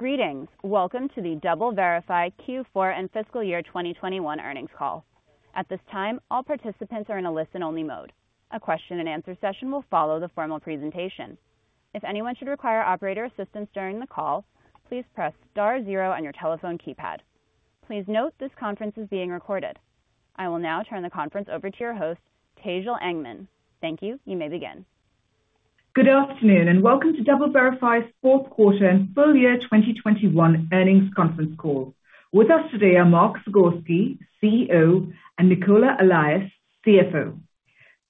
Greetings. Welcome to the DoubleVerify Q4 and fiscal year 2021 earnings call. At this time, all participants are in a listen-only mode. A question and answer session will follow the formal presentation. If anyone should require operator assistance during the call, please press star zero on your telephone keypad. Please note this conference is being recorded. I will now turn the conference over to your host, Tejal Engman. Thank you. You may begin. Good afternoon, and welcome to DoubleVerify's fourth quarter and full year 2021 earnings conference call. With us today are Mark Zagorski, CEO, and Nicola Allais, CFO.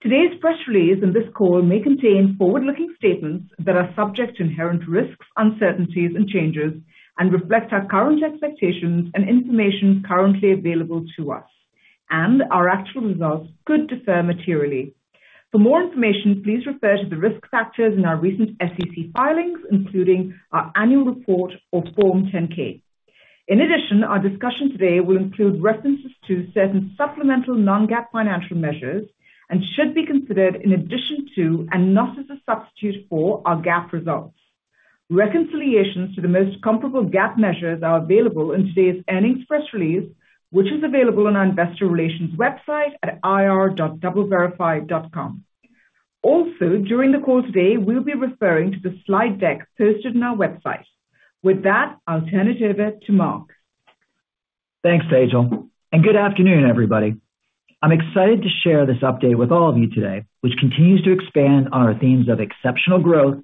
Today's press release and this call may contain forward-looking statements that are subject to inherent risks, uncertainties and changes, and reflect our current expectations and information currently available to us. Our actual results could differ materially. For more information, please refer to the risk factors in our recent SEC filings, including our annual report or Form 10-K. In addition, our discussion today will include references to certain supplemental non-GAAP financial measures and should be considered in addition to and not as a substitute for our GAAP results. Reconciliations to the most comparable GAAP measures are available in today's earnings press release, which is available on our investor relations website at ir.doubleverify.com. During the call today, we'll be referring to the slide deck posted on our website. With that, I'll turn it over to Mark. Thanks, Tejal, and good afternoon, everybody. I'm excited to share this update with all of you today, which continues to expand on our themes of exceptional growth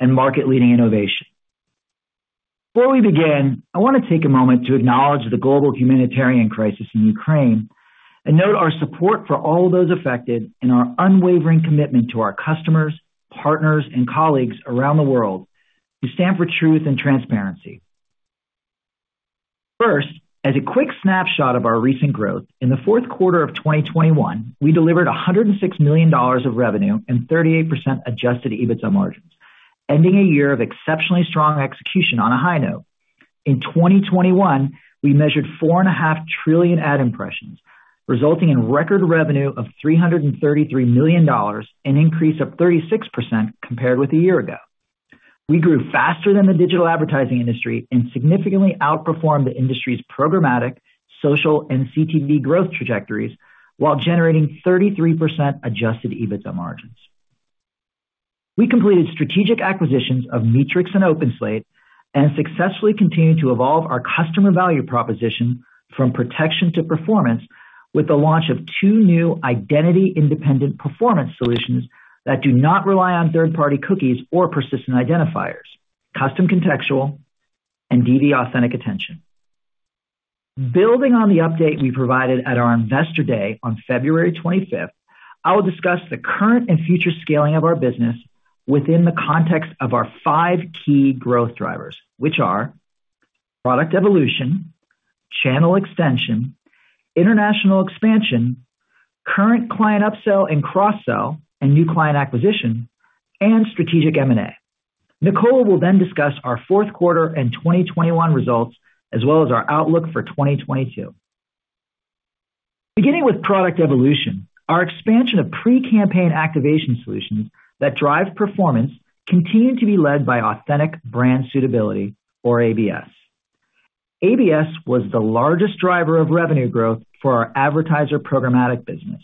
and market-leading innovation. Before we begin, I wanna take a moment to acknowledge the global humanitarian crisis in Ukraine and note our support for all those affected and our unwavering commitment to our customers, partners, and colleagues around the world who stand for truth and transparency. First, as a quick snapshot of our recent growth, in the fourth quarter of 2021, we delivered $106 million of revenue and 38% adjusted EBITDA margins, ending a year of exceptionally strong execution on a high note. In 2021, we measured 4.5 trillion ad impressions, resulting in record revenue of $333 million, an increase of 36% compared with a year ago. We grew faster than the digital advertising industry and significantly outperformed the industry's programmatic, social, and CTV growth trajectories while generating 33% adjusted EBITDA margins. We completed strategic acquisitions of Meetrics and OpenSlate and successfully continued to evolve our customer value proposition from protection to performance with the launch of two new identity-independent performance solutions that do not rely on third-party cookies or persistent identifiers, Custom Contextual and DV Authentic Attention. Building on the update we provided at our Investor Day on February 25th, I will discuss the current and future scaling of our business within the context of our five key growth drivers, which are product evolution, channel extension, international expansion, current client upsell and cross-sell and new client acquisition, and strategic M&A. Nicola will then discuss our fourth quarter and 2021 results as well as our outlook for 2022. Beginning with product evolution, our expansion of pre-campaign activation solutions that drive performance continued to be led by Authentic Brand Suitability, or ABS. ABS was the largest driver of revenue growth for our advertiser programmatic business.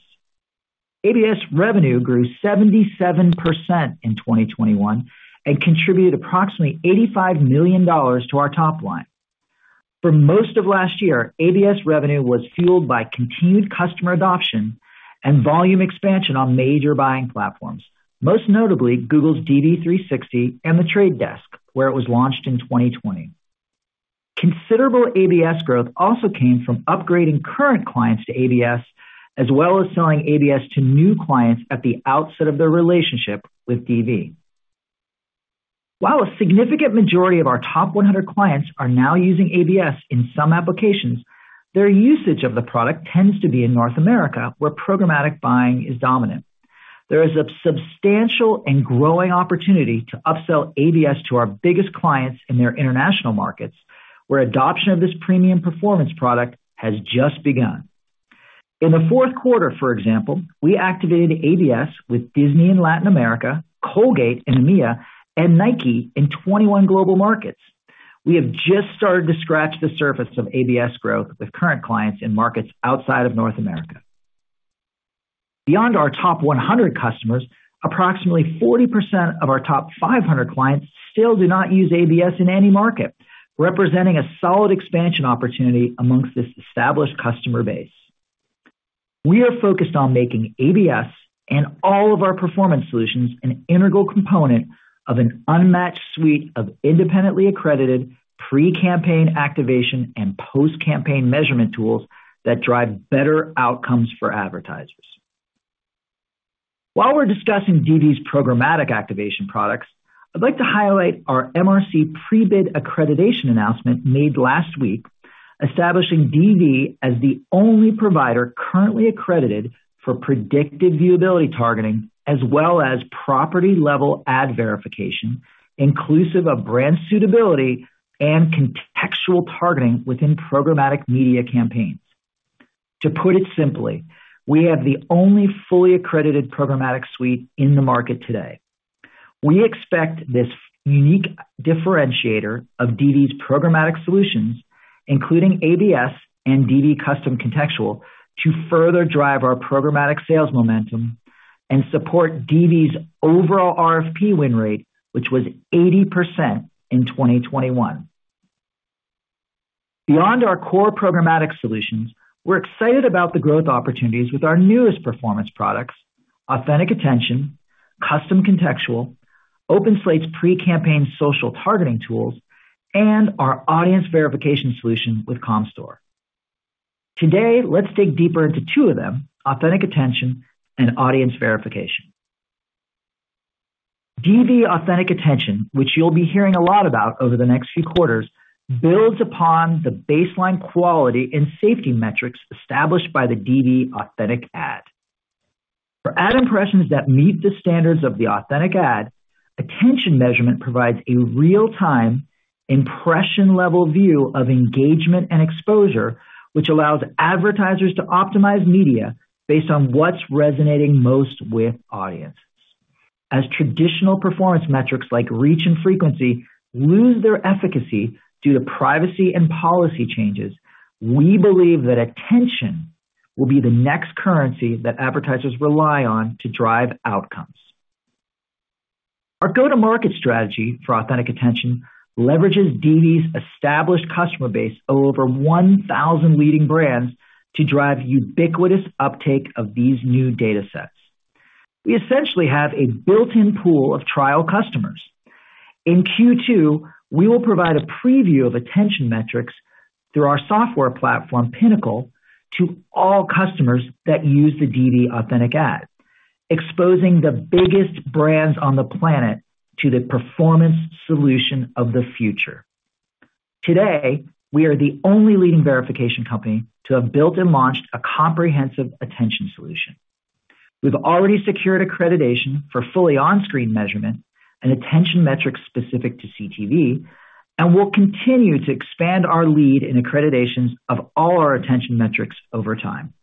ABS revenue grew 77% in 2021 and contributed approximately $85 million to our top line. For most of last year, ABS revenue was fueled by continued customer adoption and volume expansion on major buying platforms, most notably Google's DV360 and The Trade Desk, where it was launched in 2020. Considerable ABS growth also came from upgrading current clients to ABS, as well as selling ABS to new clients at the outset of their relationship with DV. While a significant majority of our top 100 clients are now using ABS in some applications, their usage of the product tends to be in North America, where programmatic buying is dominant. There is a substantial and growing opportunity to upsell ABS to our biggest clients in their international markets, where adoption of this premium performance product has just begun. In the fourth quarter, for example, we activated ABS with Disney in Latin America, Colgate in EMEA, and Nike in 21 global markets. We have just started to scratch the surface of ABS growth with current clients in markets outside of North America. Beyond our top 100 customers, approximately 40% of our top 500 clients still do not use ABS in any market, representing a solid expansion opportunity amongst this established customer base. We are focused on making ABS and all of our performance solutions an integral component of an unmatched suite of independently accredited pre-campaign activation and post-campaign measurement tools that drive better outcomes for advertisers. While we're discussing DV's programmatic activation products, I'd like to highlight our MRC pre-bid accreditation announcement made last week, establishing DV as the only provider currently accredited for predictive viewability targeting as well as property-level ad verification, inclusive of brand suitability and contextual targeting within programmatic media campaigns. To put it simply, we have the only fully accredited programmatic suite in the market today. We expect this unique differentiator of DV's programmatic solutions, including ABS and DV Custom Contextual, to further drive our programmatic sales momentum and support DV's overall RFP win rate, which was 80% in 2021. Beyond our core programmatic solutions, we're excited about the growth opportunities with our newest performance products, Authentic Attention, Custom Contextual, OpenSlate's pre-campaign social targeting tools, and our audience verification solution with Comscore. Today, let's dig deeper into two of them, Authentic Attention and audience verification. DV Authentic Attention, which you'll be hearing a lot about over the next few quarters, builds upon the baseline quality and safety metrics established by the DV Authentic Ad. For ad impressions that meet the standards of the authentic ad, attention measurement provides a real-time impression-level view of engagement and exposure, which allows advertisers to optimize media based on what's resonating most with audiences. As traditional performance metrics like reach and frequency lose their efficacy due to privacy and policy changes, we believe that attention will be the next currency that advertisers rely on to drive outcomes. Our go-to-market strategy for Authentic Attention leverages DV's established customer base over 1,000 leading brands to drive ubiquitous uptake of these new datasets. We essentially have a built-in pool of trial customers. In Q2, we will provide a preview of attention metrics through our software platform, Pinnacle, to all customers that use the DV Authentic Ad, exposing the biggest brands on the planet to the performance solution of the future. Today, we are the only leading verification company to have built and launched a comprehensive attention solution. We've already secured accreditation for fully on-screen measurement and attention metrics specific to CTV, and we'll continue to expand our lead in accreditations of all our attention metrics over time.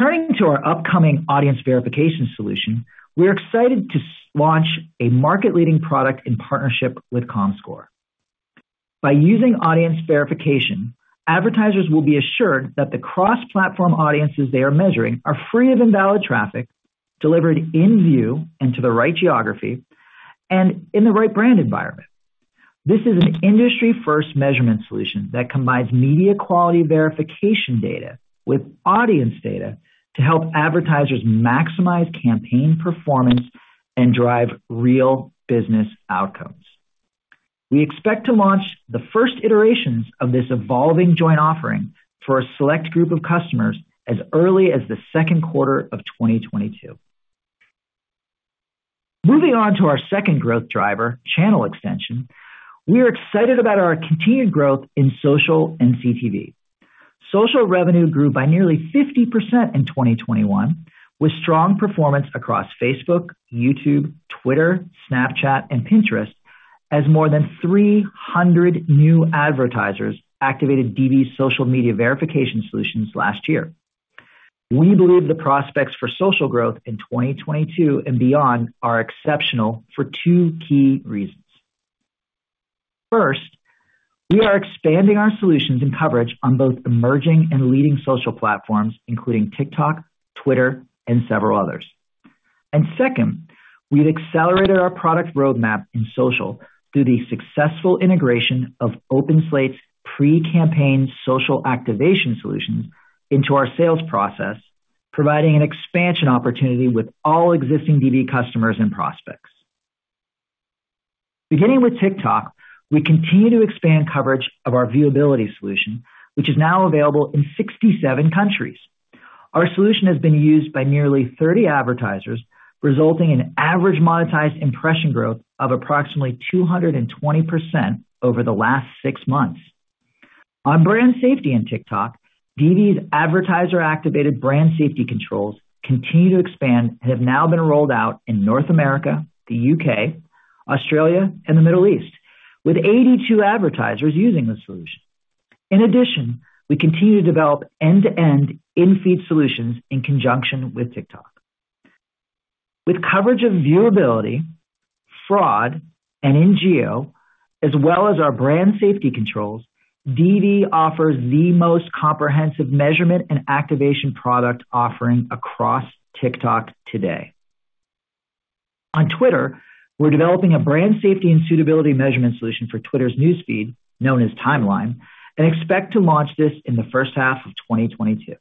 Turning to our upcoming audience verification solution, we're excited to launch a market-leading product in partnership with Comscore. By using audience verification, advertisers will be assured that the cross-platform audiences they are measuring are free of invalid traffic, delivered in view and to the right geography, and in the right brand environment. This is an industry-first measurement solution that combines media quality verification data with audience data to help advertisers maximize campaign performance and drive real business outcomes. We expect to launch the first iterations of this evolving joint offering for a select group of customers as early as the second quarter of 2022. Moving on to our second growth driver, channel extension, we are excited about our continued growth in social and CTV. Social revenue grew by nearly 50% in 2021, with strong performance across Facebook, YouTube, Twitter, Snapchat, and Pinterest as more than 300 new advertisers activated DV's social media verification solutions last year. We believe the prospects for social growth in 2022 and beyond are exceptional for two key reasons. First, we are expanding our solutions and coverage on both emerging and leading social platforms, including TikTok, Twitter, and several others. Second, we've accelerated our product roadmap in social through the successful integration of OpenSlate's pre-campaign social activation solutions into our sales process, providing an expansion opportunity with all existing DV customers and prospects. Beginning with TikTok, we continue to expand coverage of our viewability solution, which is now available in 67 countries. Our solution has been used by nearly 30 advertisers, resulting in average monetized impression growth of approximately 220% over the last six months. On brand safety in TikTok, DV's advertiser-activated brand safety controls continue to expand and have now been rolled out in North America, the U.K., Australia, and the Middle East, with 82 advertisers using the solution. In addition, we continue to develop end-to-end in-feed solutions in conjunction with TikTok. With coverage of viewability, fraud, and in geo, as well as our brand safety controls, DV offers the most comprehensive measurement and activation product offering across TikTok today. On Twitter, we're developing a brand safety and suitability measurement solution for Twitter's news feed, known as Timeline, and expect to launch this in the first half of 2022.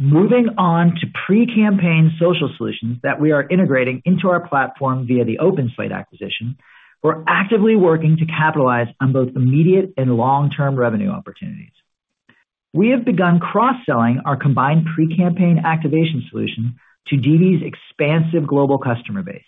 Moving on to pre-campaign social solutions that we are integrating into our platform via the OpenSlate acquisition, we're actively working to capitalize on both immediate and long-term revenue opportunities. We have begun cross-selling our combined pre-campaign activation solution to DV's expansive global customer base.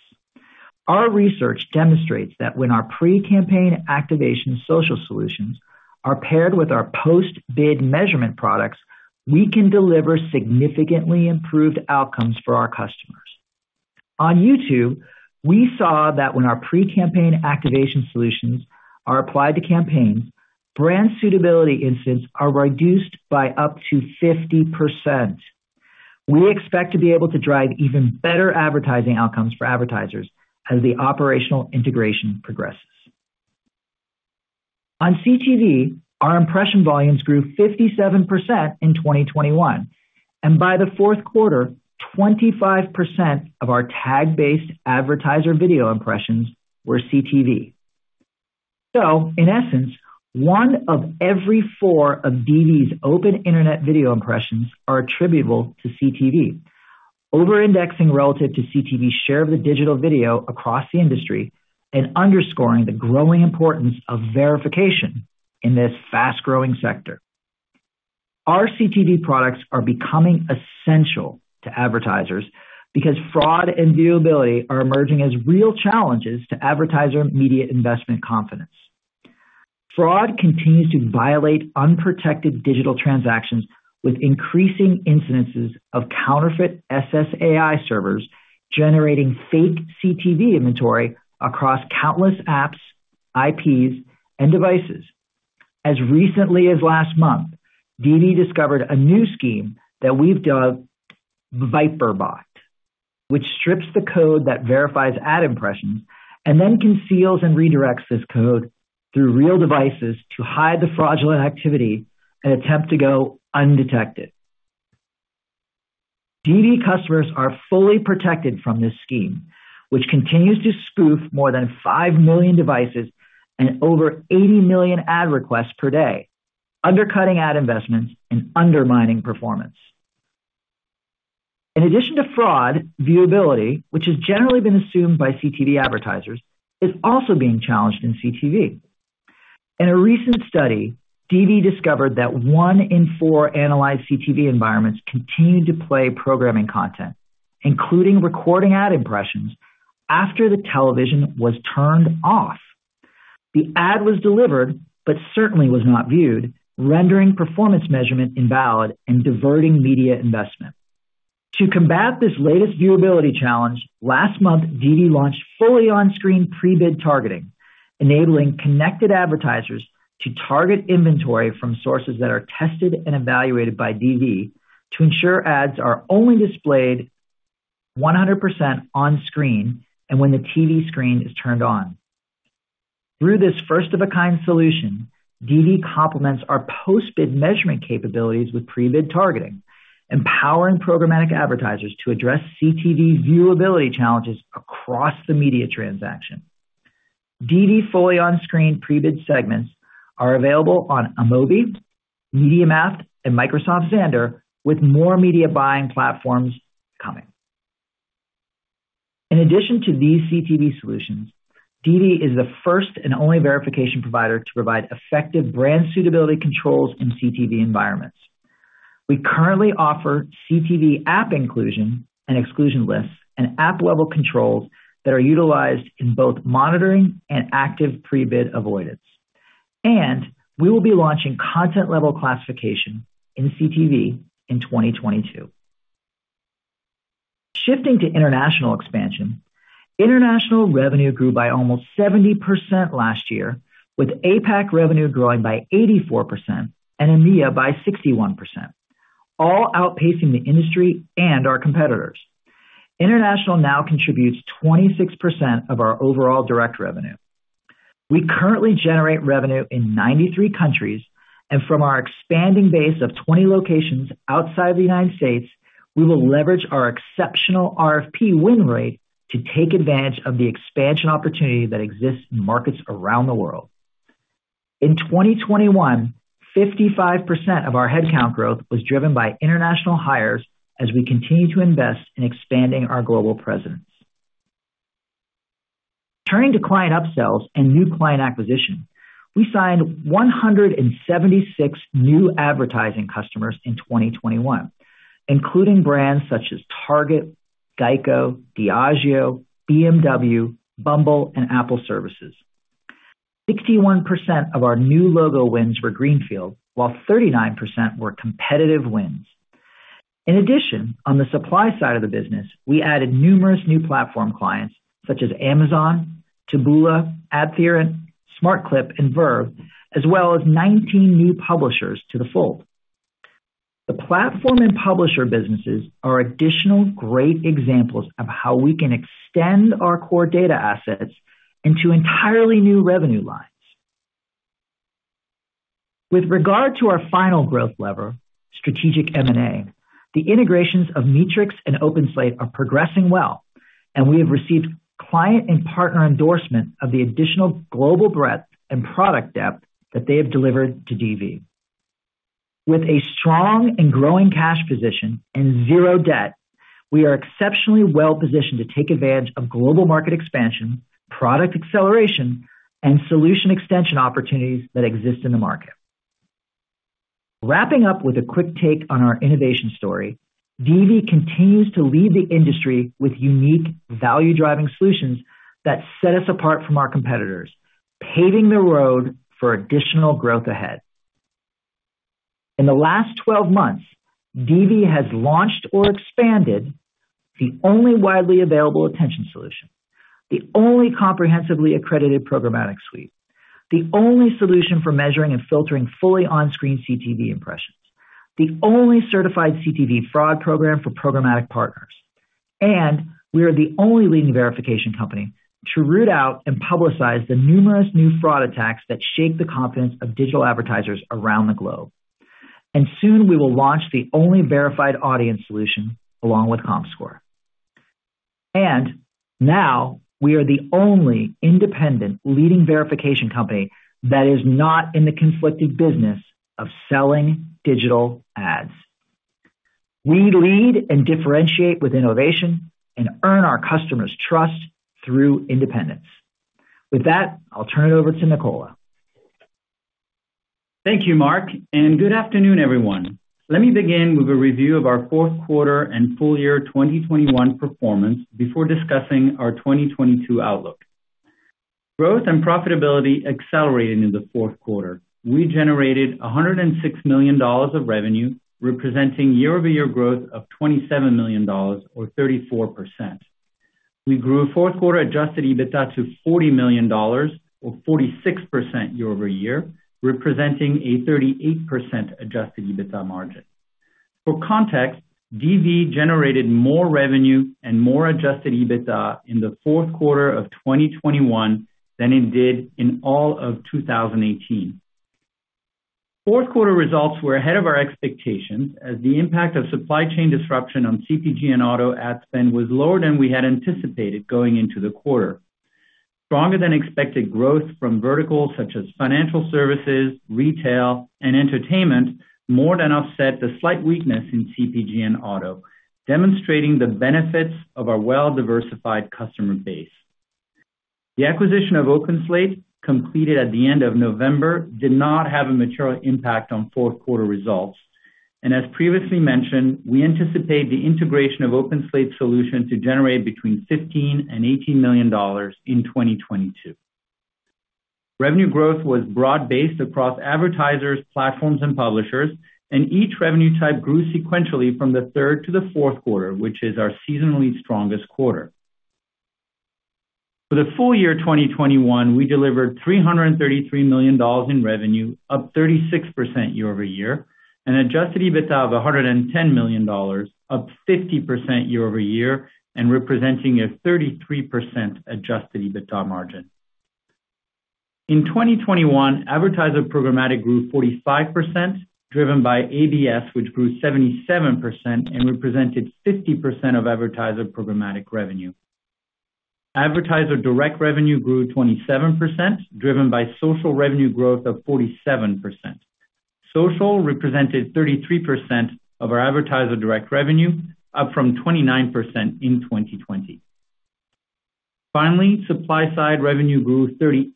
Our research demonstrates that when our pre-campaign activation social solutions are paired with our post-bid measurement products, we can deliver significantly improved outcomes for our customers. On YouTube, we saw that when our pre-campaign activation solutions are applied to campaigns, brand suitability incidents are reduced by up to 50%. We expect to be able to drive even better advertising outcomes for advertisers as the operational integration progresses. On CTV, our impression volumes grew 57% in 2021, and by the fourth quarter, 25% of our tag-based advertiser video impressions were CTV. In essence, 1/4 of DV's open internet video impressions are attributable to CTV. Over-indexing relative to CTV share of the digital video across the industry and underscoring the growing importance of verification in this fast-growing sector. Our CTV products are becoming essential to advertisers because fraud and viewability are emerging as real challenges to advertiser media investment confidence. Fraud continues to violate unprotected digital transactions with increasing incidences of counterfeit SSAI servers generating fake CTV inventory across countless apps, IPs, and devices. As recently as last month, DV discovered a new scheme that we've dubbed ViperBot, which strips the code that verifies ad impressions and then conceals and redirects this code through real devices to hide the fraudulent activity and attempt to go undetected. DV customers are fully protected from this scheme, which continues to spoof more than 5 million devices and over 80 million ad requests per day, undercutting ad investments and undermining performance. In addition to fraud, viewability, which has generally been assumed by CTV advertisers, is also being challenged in CTV. In a recent study, DV discovered that 1/4 analyzed CTV environments continued to play programming content, including recording ad impressions after the television was turned off. The ad was delivered, but certainly was not viewed, rendering performance measurement invalid and diverting media investment. To combat this latest viewability challenge, last month, DV launched fully on-screen pre-bid targeting, enabling connected advertisers to target inventory from sources that are tested and evaluated by DV to ensure ads are only displayed 100% on screen and when the TV screen is turned on. Through this first of a kind solution, DV complements our post-bid measurement capabilities with pre-bid targeting, empowering programmatic advertisers to address CTV viewability challenges across the media transaction. DV fully on-screen pre-bid segments are available on Amobee, MediaMath, and Microsoft Xandr, with more media buying platforms coming. In addition to these CTV solutions, DV is the first and only verification provider to provide effective brand suitability controls in CTV environments. We currently offer CTV app inclusion and exclusion lists and app-level controls that are utilized in both monitoring and active pre-bid avoidance. We will be launching content-level classification in CTV in 2022. Shifting to international expansion. International revenue grew by almost 70% last year, with APAC revenue growing by 84% and EMEA by 61%, all outpacing the industry and our competitors. International now contributes 26% of our overall direct revenue. We currently generate revenue in 93 countries. From our expanding base of 20 locations outside the United States, we will leverage our exceptional RFP win rate to take advantage of the expansion opportunity that exists in markets around the world. In 2021, 55% of our headcount growth was driven by international hires as we continue to invest in expanding our global presence. Turning to client upsells and new client acquisition. We signed 176 new advertising customers in 2021, including brands such as Target, GEICO, Diageo, BMW, Bumble, and Apple Services. 61% of our new logo wins were greenfield, while 39% were competitive wins. In addition, on the supply side of the business, we added numerous new platform clients such as Amazon, Taboola, AdTheorent, smartclip, and Verve, as well as 19 new publishers to the fold. The platform and publisher businesses are additional great examples of how we can extend our core data assets into entirely new revenue lines. With regard to our final growth lever, strategic M&A, the integrations of Meetrics and OpenSlate are progressing well, and we have received client and partner endorsement of the additional global breadth and product depth that they have delivered to DV. With a strong and growing cash position and zero debt, we are exceptionally well positioned to take advantage of global market expansion, product acceleration, and solution extension opportunities that exist in the market. Wrapping up with a quick take on our innovation story, DV continues to lead the industry with unique value-driving solutions that set us apart from our competitors, paving the road for additional growth ahead. In the last 12 months, DV has launched or expanded the only widely available attention solution, the only comprehensively accredited programmatic suite, the only solution for measuring and filtering fully on-screen CTV impressions, the only certified CTV fraud program for programmatic partners, and we are the only leading verification company to root out and publicize the numerous new fraud attacks that shake the confidence of digital advertisers around the globe. Soon, we will launch the only verified audience solution along with Comscore. Now we are the only independent leading verification company that is not in the conflicted business of selling digital ads. We lead and differentiate with innovation and earn our customers' trust through independence. With that, I'll turn it over to Nicola. Thank you, Mark, and good afternoon, everyone. Let me begin with a review of our fourth quarter and full year 2021 performance before discussing our 2022 outlook. Growth and profitability accelerated in the fourth quarter. We generated $106 million of revenue, representing year-over-year growth of $27 million or 34%. We grew fourth quarter adjusted EBITDA to $40 million or 46% year-over-year, representing a 38% adjusted EBITDA margin. For context, DV generated more revenue and more adjusted EBITDA in the fourth quarter of 2021 than it did in all of 2018. Fourth quarter results were ahead of our expectations, as the impact of supply chain disruption on CPG and auto ad spend was lower than we had anticipated going into the quarter. Stronger than expected growth from verticals such as financial services, retail, and entertainment more than offset the slight weakness in CPG and auto, demonstrating the benefits of our well-diversified customer base. The acquisition of OpenSlate, completed at the end of November, did not have a material impact on fourth quarter results. As previously mentioned, we anticipate the integration of OpenSlate solution to generate between $15 million and $18 million in 2022. Revenue growth was broad-based across advertisers, platforms, and publishers, and each revenue type grew sequentially from the third to the fourth quarter, which is our seasonally strongest quarter. For the full year 2021, we delivered $333 million in revenue, up 36% year-over-year, and adjusted EBITDA of $110 million, up 50% year-over-year and representing a 33% adjusted EBITDA margin. In 2021, advertiser programmatic grew 45%, driven by ABS, which grew 77% and represented 50% of advertiser programmatic revenue. Advertiser direct revenue grew 27%, driven by social revenue growth of 47%. Social represented 33% of our advertiser direct revenue, up from 29% in 2020. Finally, supply-side revenue grew 38%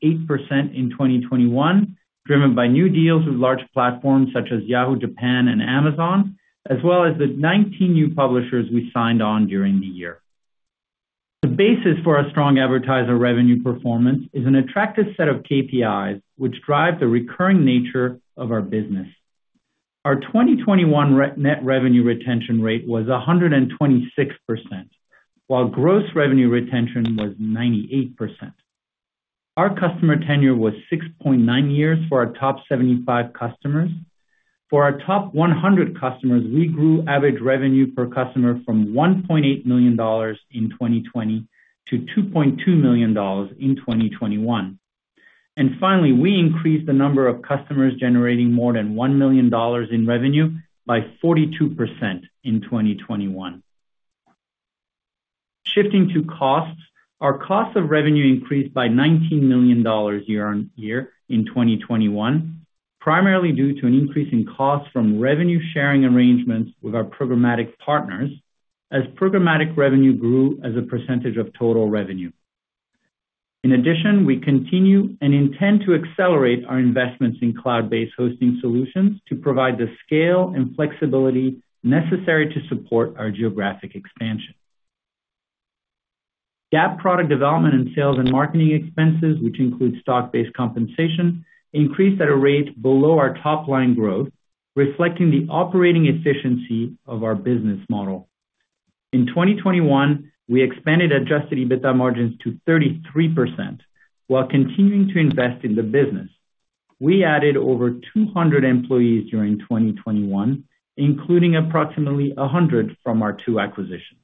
in 2021, driven by new deals with large platforms such as Yahoo Japan and Amazon, as well as the 19 new publishers we signed on during the year. The basis for our strong advertiser revenue performance is an attractive set of KPIs which drive the recurring nature of our business. Our 2021 net revenue retention rate was 126%, while gross revenue retention was 98%. Our customer tenure was 6.9 years for our top 75 customers. For our top 100 customers, we grew average revenue per customer from $1.8 million in 2020 to $2.2 million in 2021. Finally, we increased the number of customers generating more than $1 million in revenue by 42% in 2021. Shifting to costs, our cost of revenue increased by $19 million year-on-year in 2021, primarily due to an increase in cost from revenue sharing arrangements with our programmatic partners as programmatic revenue grew as a percentage of total revenue. In addition, we continue and intend to accelerate our investments in cloud-based hosting solutions to provide the scale and flexibility necessary to support our geographic expansion. GAAP product development and sales and marketing expenses, which include stock-based compensation, increased at a rate below our top line growth, reflecting the operating efficiency of our business model. In 2021, we expanded adjusted EBITDA margins to 33% while continuing to invest in the business. We added over 200 employees during 2021, including approximately 100 from our two acquisitions.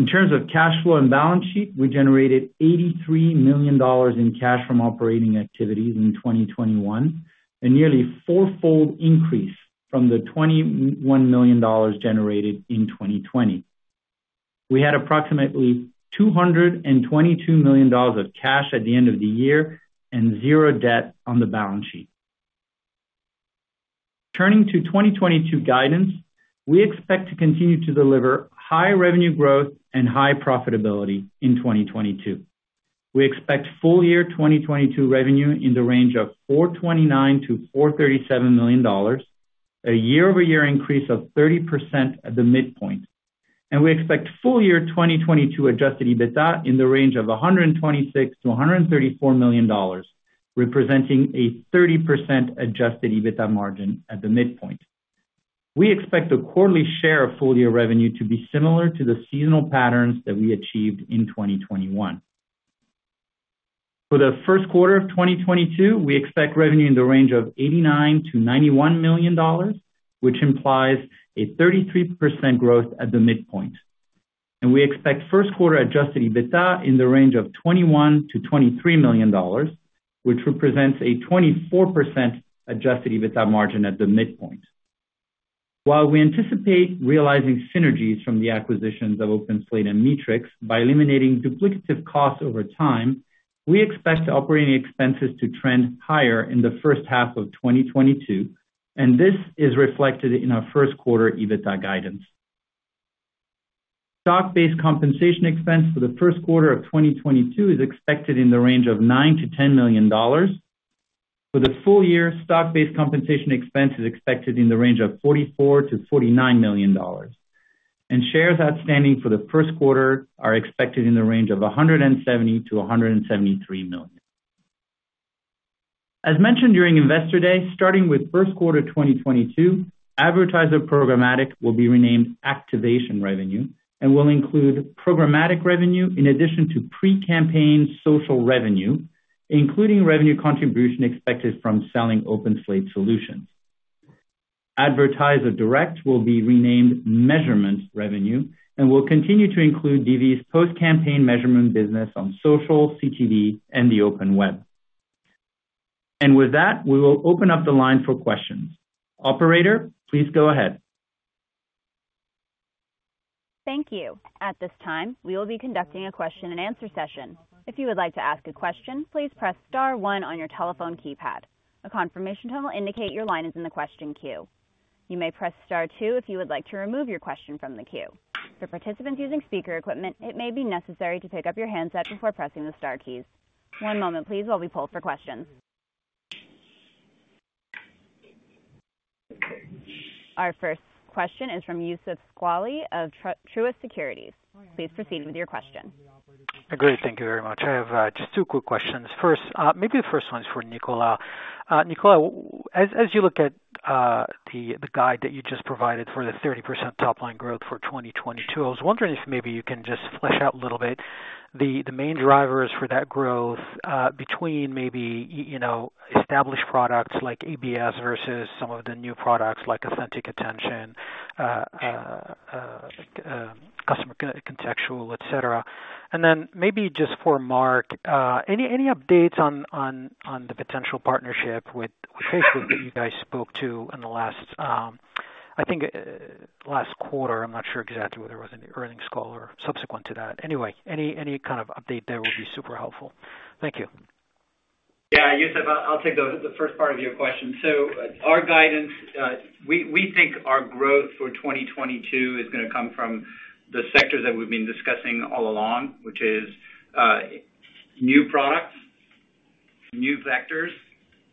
In terms of cash flow and balance sheet, we generated $83 million in cash from operating activities in 2021, a nearly four-fold increase from the $21 million generated in 2020. We had approximately $222 million of cash at the end of the year and zero debt on the balance sheet. Turning to 2022 guidance, we expect to continue to deliver high revenue growth and high profitability in 2022. We expect full year 2022 revenue in the range of $429 million-$437 million, a year-over-year increase of 30% at the midpoint. We expect full year 2022 adjusted EBITDA in the range of $126 million-$134 million, representing a 30% adjusted EBITDA margin at the midpoint. We expect the quarterly share of full year revenue to be similar to the seasonal patterns that we achieved in 2021. For the first quarter of 2022, we expect revenue in the range of $89 million-$91 million, which implies a 33% growth at the midpoint. We expect first quarter adjusted EBITDA in the range of $21 million-$23 million, which represents a 24% adjusted EBITDA margin at the midpoint. While we anticipate realizing synergies from the acquisitions of OpenSlate and Meetrics by eliminating duplicative costs over time, we expect operating expenses to trend higher in the first half of 2022, and this is reflected in our first quarter EBITDA guidance. Stock-based compensation expense for the first quarter of 2022 is expected in the range of $9 million-$10 million. For the full year, stock-based compensation expense is expected in the range of $44 million-$49 million. Shares outstanding for the first quarter are expected in the range of 170 million-173 million. As mentioned during Investor Day, starting with first quarter 2022, advertiser programmatic will be renamed Activation Revenue and will include programmatic revenue in addition to pre-campaign social revenue, including revenue contribution expected from selling OpenSlate solutions. Advertiser direct will be renamed Measurement Revenue and will continue to include DV's post-campaign measurement business on social, CTV, and the open web. With that, we will open up the line for questions. Operator, please go ahead. Thank you. At this time, we will be conducting a question and answer session. If you would like to ask a question, please press star one on your telephone keypad. A confirmation tone will indicate your line is in the question queue. You may press star two if you would like to remove your question from the queue. For participants using speaker equipment, it may be necessary to pick up your handset before pressing the star keys. One moment please while we poll for questions. Our first question is from Youssef Squali of Truist Securities. Please proceed with your question. Great. Thank you very much. I have just two quick questions. First, maybe the first one's for Nicola. Nicola, as you look at the guide that you just provided for the 30% top line growth for 2022, I was wondering if maybe you can just flesh out a little bit the main drivers for that growth between maybe you know established products like ABS versus some of the new products like Authentic Attention, customer contextual, et cetera. Then maybe just for Mark, any updates on the potential partnership with Facebook that you guys spoke to in the last quarter? I'm not sure exactly whether it was in the earnings call or subsequent to that. Anyway, any kind of update there would be super helpful. Thank you. Yeah. Youssef, I'll take the first part of your question. Our guidance, we think our growth for 2022 is gonna come from the sectors that we've been discussing all along, which is new products, new vectors,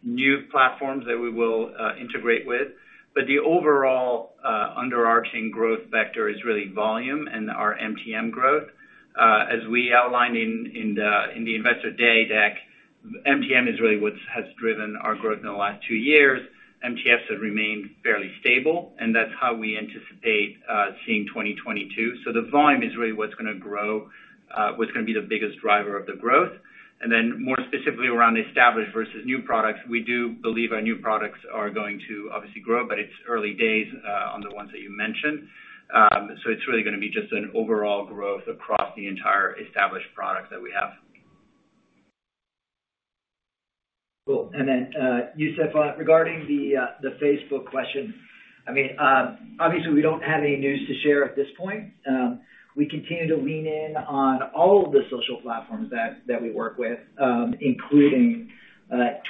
new platforms that we will integrate with. The overall overarching growth vector is really volume and our MTM growth. As we outlined in the Investor Day deck, MTM is really what's has driven our growth in the last two years. MTFs have remained fairly stable, and that's how we anticipate seeing 2022. The volume is really what's gonna grow, what's gonna be the biggest driver of the growth. Then more specifically around the established versus new products, we do believe our new products are going to obviously grow, but it's early days on the ones that you mentioned. It's really gonna be just an overall growth across the entire established products that we have. Cool. Then, Youssef, regarding the the Facebook question, I mean, obviously we don't have any news to share at this point. We continue to lean in on all of the social platforms that we work with, including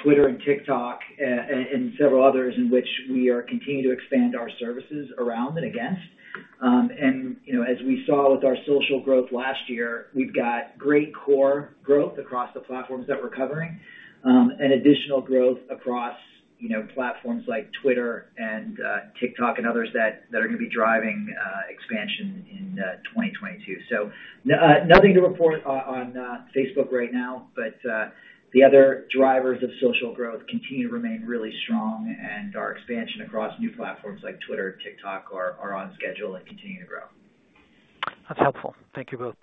Twitter and TikTok and several others in which we are continuing to expand our services around and against. You know, as we saw with our social growth last year, we've got great core growth across the platforms that we're covering, and additional growth across, you know, platforms like Twitter and TikTok and others that are gonna be driving expansion in 2022. Nothing to report on Facebook right now, but the other drivers of social growth continue to remain really strong, and our expansion across new platforms like Twitter, TikTok are on schedule and continue to grow. That's helpful. Thank you both.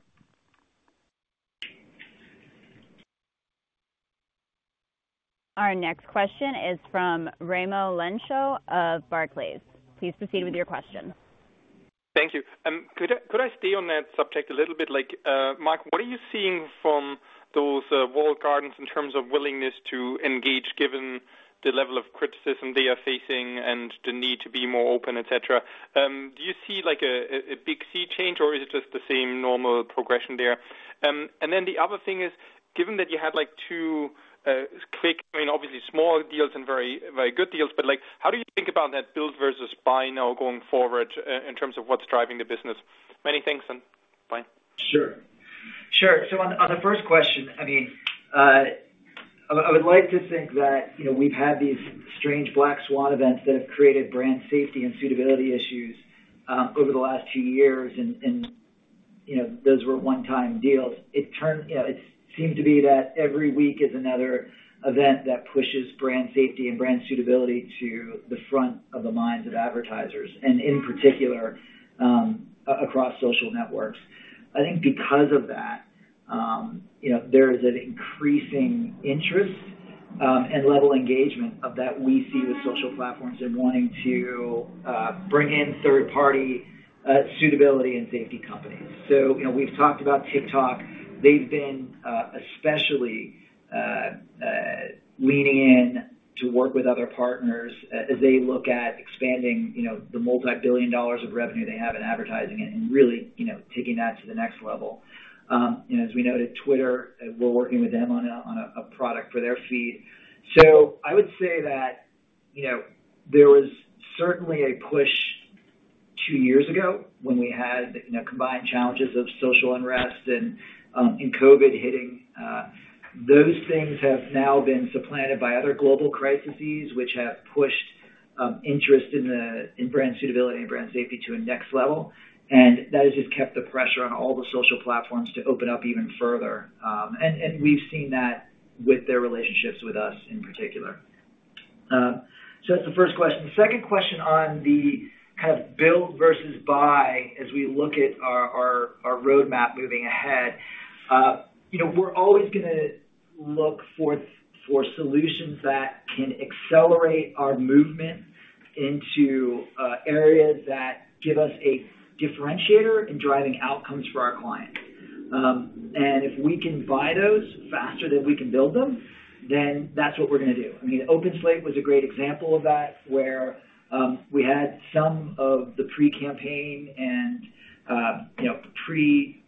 Our next question is from Raimo Lenschow of Barclays. Please proceed with your question. Thank you. Could I stay on that subject a little bit? Like, Mark, what are you seeing from those walled gardens in terms of willingness to engage given the level of criticism they are facing and the need to be more open, et cetera? Do you see like a big sea change, or is it just the same normal progression there? And then the other thing is, given that you had like two quick, I mean, obviously small deals and very, very good deals, but like how do you think about that build versus buy now going forward in terms of what's driving the business? Many thanks, and bye. Sure. Sure. On the first question, I mean, I would like to think that, you know, we've had these strange black swan events that have created brand safety and suitability issues over the last two years and, you know, those were one-time deals. It seemed to be that every week is another event that pushes brand safety and brand suitability to the front of the minds of advertisers and in particular, across social networks. I think because of that, you know, there is an increasing interest and level of engagement that we see with social platforms in wanting to bring in third-party suitability and safety companies. You know, we've talked about TikTok. They've been especially leaning in to work with other partners as they look at expanding, you know, the multi-billion dollars of revenue they have in advertising and really, you know, taking that to the next level. You know, as we noted, Twitter, we're working with them on a product for their feed. I would say that, you know, there was certainly a push two years ago when we had, you know, combined challenges of social unrest and COVID hitting. Those things have now been supplanted by other global crises which have pushed interest in brand suitability and brand safety to a next level. That has just kept the pressure on all the social platforms to open up even further. We've seen that with their relationships with us in particular. That's the first question. The second question on the kind of build versus buy as we look at our roadmap moving ahead. You know, we're always gonna look for for solutions that can accelerate our movement into areas that give us a differentiator in driving outcomes for our clients. If we can buy those faster than we can build them, then that's what we're gonna do. I mean, OpenSlate was a great example of that, where we had some of the pre-campaign and you know, pre-buy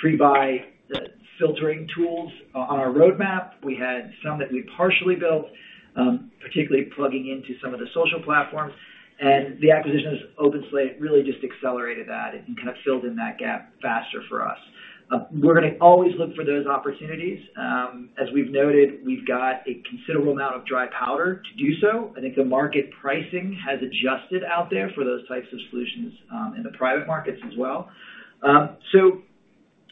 the filtering tools on our roadmap. We had some that we partially built, particularly plugging into some of the social platforms. The acquisition of OpenSlate really just accelerated that and kind of filled in that gap faster for us. We're gonna always look for those opportunities. As we've noted, we've got a considerable amount of dry powder to do so. I think the market pricing has adjusted out there for those types of solutions in the private markets as well.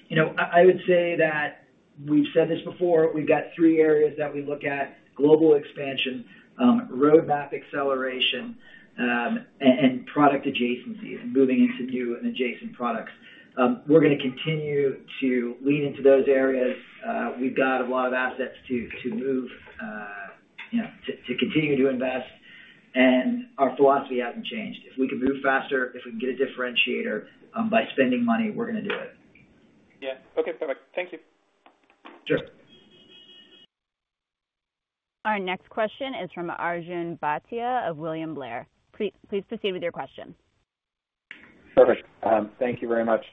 You know, I would say that we've said this before, we've got three areas that we look at global expansion, roadmap acceleration, and product adjacencies and moving into new and adjacent products. We're gonna continue to lean into those areas. We've got a lot of assets to move, you know, to continue to invest, and our philosophy hasn't changed. If we can move faster, if we can get a differentiator by spending money, we're gonna do it. Yeah. Okay, perfect. Thank you. Sure. Our next question is from Arjun Bhatia of William Blair. Please proceed with your question. Perfect. Thank you very much.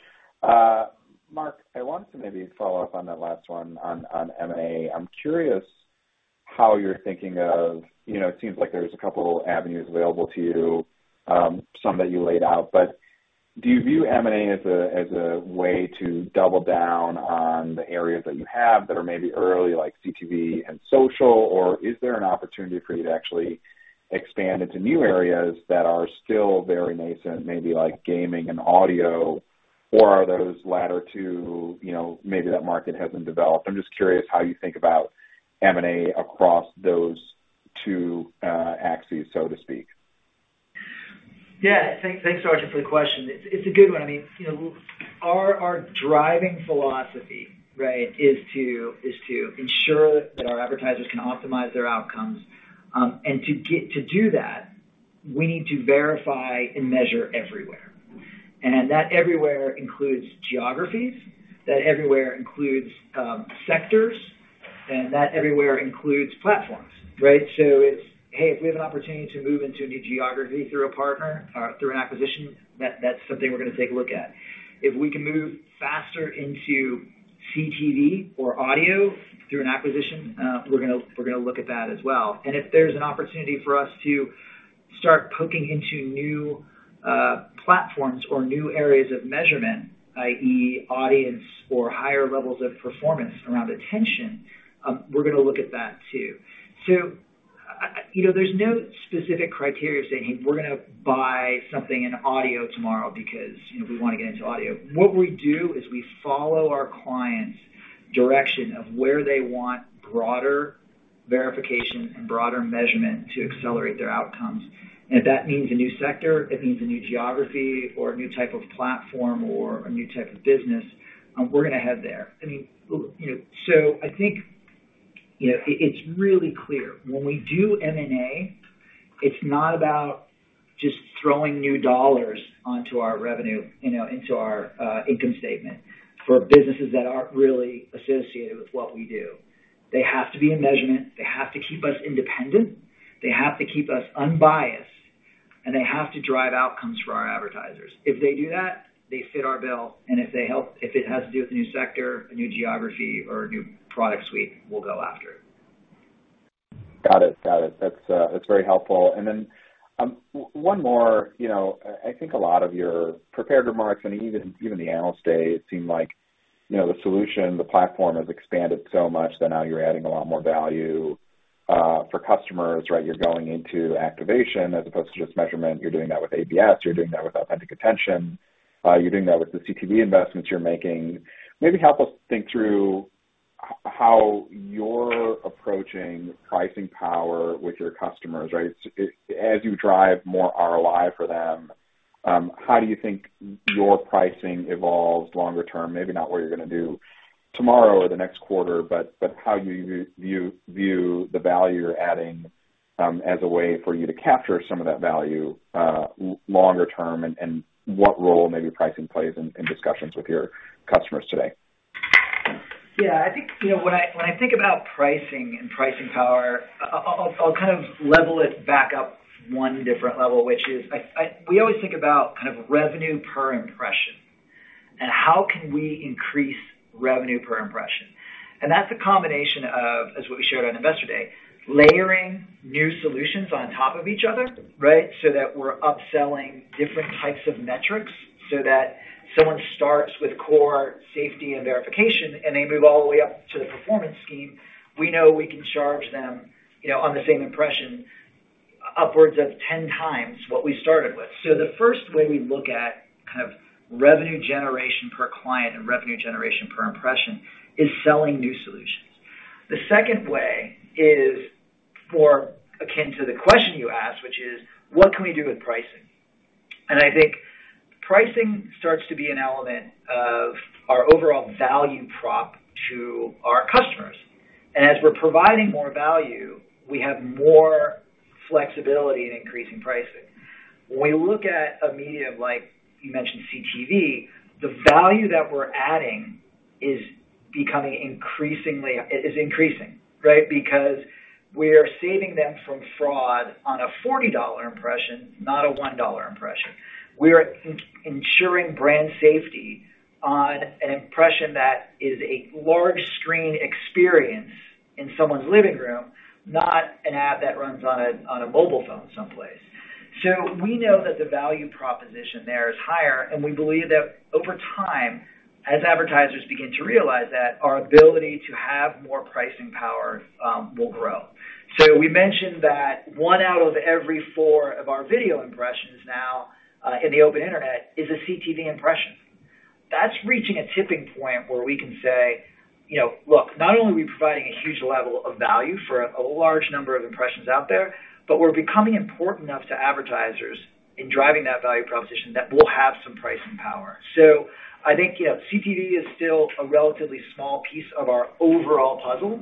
Mark, I want to maybe follow up on that last one on M&A. I'm curious how you're thinking of, you know, it seems like there's a couple avenues available to you, some that you laid out. Do you view M&A as a way to double down on the areas that you have that are maybe early, like CTV and social? Or is there an opportunity for you to actually expand into new areas that are still very nascent, maybe like gaming and audio? Or are those latter two, you know, maybe that market hasn't developed? I'm just curious how you think about M&A across those two axes, so to speak. Yeah. Thanks, Arjun, for the question. It's a good one. I mean, you know, our driving philosophy, right, is to ensure that our advertisers can optimize their outcomes. To get to do that, we need to verify and measure everywhere. That everywhere includes geographies, that everywhere includes sectors, and that everywhere includes platforms, right? It's, hey, if we have an opportunity to move into a new geography through a partner or through an acquisition, that's something we're gonna take a look at. If we can move faster into CTV or audio through an acquisition, we're gonna look at that as well. If there's an opportunity for us to start poking into new platforms or new areas of measurement, i.e., audience or higher levels of performance around attention, we're gonna look at that too. You know, there's no specific criteria saying, "Hey, we're gonna buy something in audio tomorrow because, you know, we wanna get into audio." What we do is we follow our clients' direction of where they want broader verification and broader measurement to accelerate their outcomes. If that means a new sector, it means a new geography or a new type of platform or a new type of business, we're gonna head there. I mean, you know. I think, you know, it's really clear when we do M&A, it's not about just throwing new dollars onto our revenue, you know, into our income statement for businesses that aren't really associated with what we do. They have to be in measurement. They have to keep us independent. They have to keep us unbiased, and they have to drive outcomes for our advertisers. If they do that, they fit the bill, and if they help, if it has to do with a new sector, a new geography, or a new product suite, we'll go after it. Got it. That's very helpful. One more. You know, I think a lot of your prepared remarks and even the Analyst Day, it seemed like, you know, the solution, the platform has expanded so much that now you're adding a lot more value for customers, right? You're going into activation as opposed to just measurement. You're doing that with ABS. You're doing that with Authentic Attention. You're doing that with the CTV investments you're making. Maybe help us think through how you're approaching pricing power with your customers, right? As you drive more ROI for them, how do you think your pricing evolves longer term? Maybe not what you're gonna do tomorrow or the next quarter, but how you view the value you're adding, as a way for you to capture some of that value, longer term, and what role maybe pricing plays in discussions with your customers today? Yeah. I think, you know, when I think about pricing and pricing power, I'll kind of level it back up one different level, which is we always think about kind of revenue per impression and how can we increase revenue per impression. That's a combination of, as what we showed on Investor Day, layering new solutions on top of each other, right? That we're upselling different types of metrics so that someone starts with core safety and verification, and they move all the way up to the performance scheme. We know we can charge them, you know, on the same impression upwards of 10 times what we started with. The first way we look at kind of revenue generation per client and revenue generation per impression is selling new solutions. The second way is more akin to the question you asked, which is, what can we do with pricing? I think pricing starts to be an element of our overall value prop to our customers. As we're providing more value, we have more flexibility in increasing pricing. When we look at a medium like you mentioned, CTV, the value that we're adding is increasing, right? Because we are saving them from fraud on a $40 impression, not a $1 impression. We are ensuring brand safety on an impression that is a large screen experience in someone's living room, not an ad that runs on a mobile phone someplace. We know that the value proposition there is higher, and we believe that over time, as advertisers begin to realize that, our ability to have more pricing power will grow. We mentioned that one out of every four of our video impressions now in the open internet is a CTV impression. That's reaching a tipping point where we can say, you know, "Look, not only are we providing a huge level of value for a large number of impressions out there, but we're becoming important enough to advertisers in driving that value proposition that we'll have some pricing power." I think, you know, CTV is still a relatively small piece of our overall puzzle.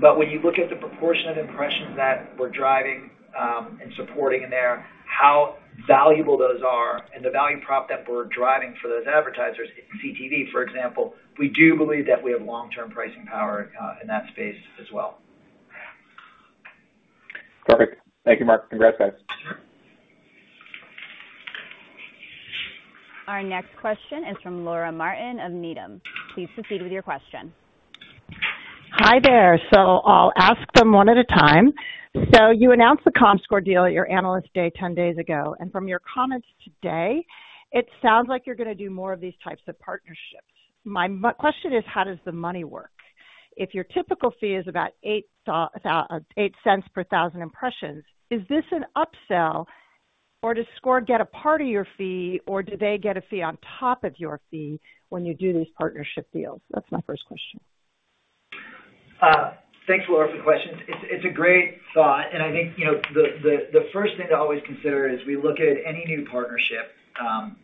When you look at the proportion of impressions that we're driving and supporting in there, how valuable those are and the value prop that we're driving for those advertisers in CTV, for example, we do believe that we have long-term pricing power in that space as well. Perfect. Thank you, Mark. Congrats, guys. Our next question is from Laura Martin of Needham. Please proceed with your question. Hi there. I'll ask them one at a time. You announced the Comscore deal at your Analyst Day 10 days ago, and from your comments today, it sounds like you're gonna do more of these types of partnerships. My question is, how does the money work? If your typical fee is about $0.08 per 1,000 impressions, is this an upsell, or does Comscore get a part of your fee, or do they get a fee on top of your fee when you do these partnership deals? That's my first question. Thanks, Laura, for the questions. It's a great thought. I think, you know, the first thing to always consider is we look at any new partnership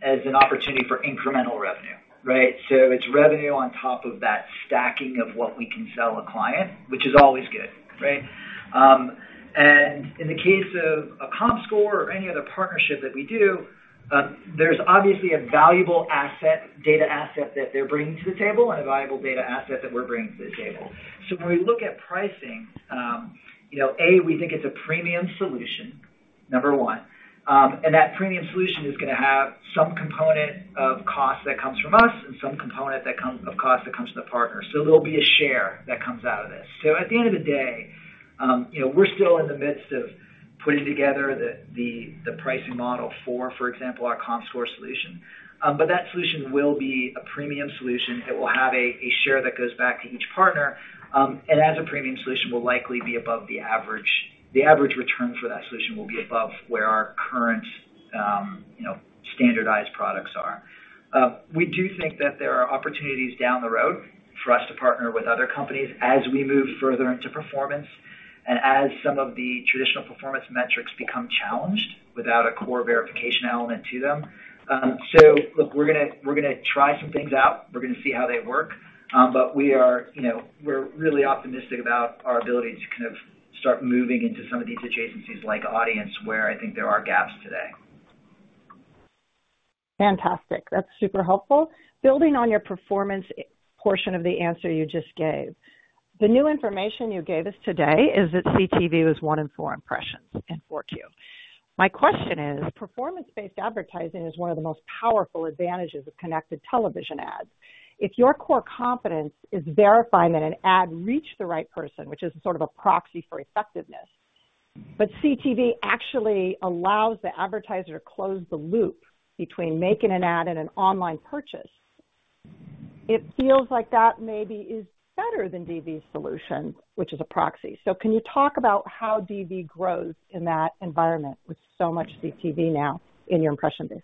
as an opportunity for incremental revenue, right? It's revenue on top of that stacking of what we can sell a client, which is always good, right? In the case of a Comscore or any other partnership that we do, there's obviously a valuable asset, data asset that they're bringing to the table and a valuable data asset that we're bringing to the table. When we look at pricing, you know, A, we think it's a premium solution, number one. That premium solution is gonna have some component of cost that comes from us and some component of cost that comes from the partner. There'll be a share that comes out of this. At the end of the day, you know, we're still in the midst of putting together the pricing model for example, our Comscore solution. But that solution will be a premium solution that will have a share that goes back to each partner. And as a premium solution, will likely be above the average. The average return for that solution will be above where our current, you know, standardized products are. We do think that there are opportunities down the road for us to partner with other companies as we move further into performance and as some of the traditional performance metrics become challenged without a core verification element to them. Look, we're gonna try some things out. We're gonna see how they work. We are, you know, we're really optimistic about our ability to kind of start moving into some of these adjacencies, like audience, where I think there are gaps today. Fantastic. That's super helpful. Building on your performance portion of the answer you just gave, the new information you gave us today is that CTV was 1/4 impressions in 4Q. My question is, performance-based advertising is one of the most powerful advantages of connected television ads. If your core competence is verifying that an ad reached the right person, which is sort of a proxy for effectiveness, but CTV actually allows the advertiser to close the loop between making an ad and an online purchase. It feels like that maybe is better than DV's solution, which is a proxy. Can you talk about how DV grows in that environment with so much CTV now in your impression base?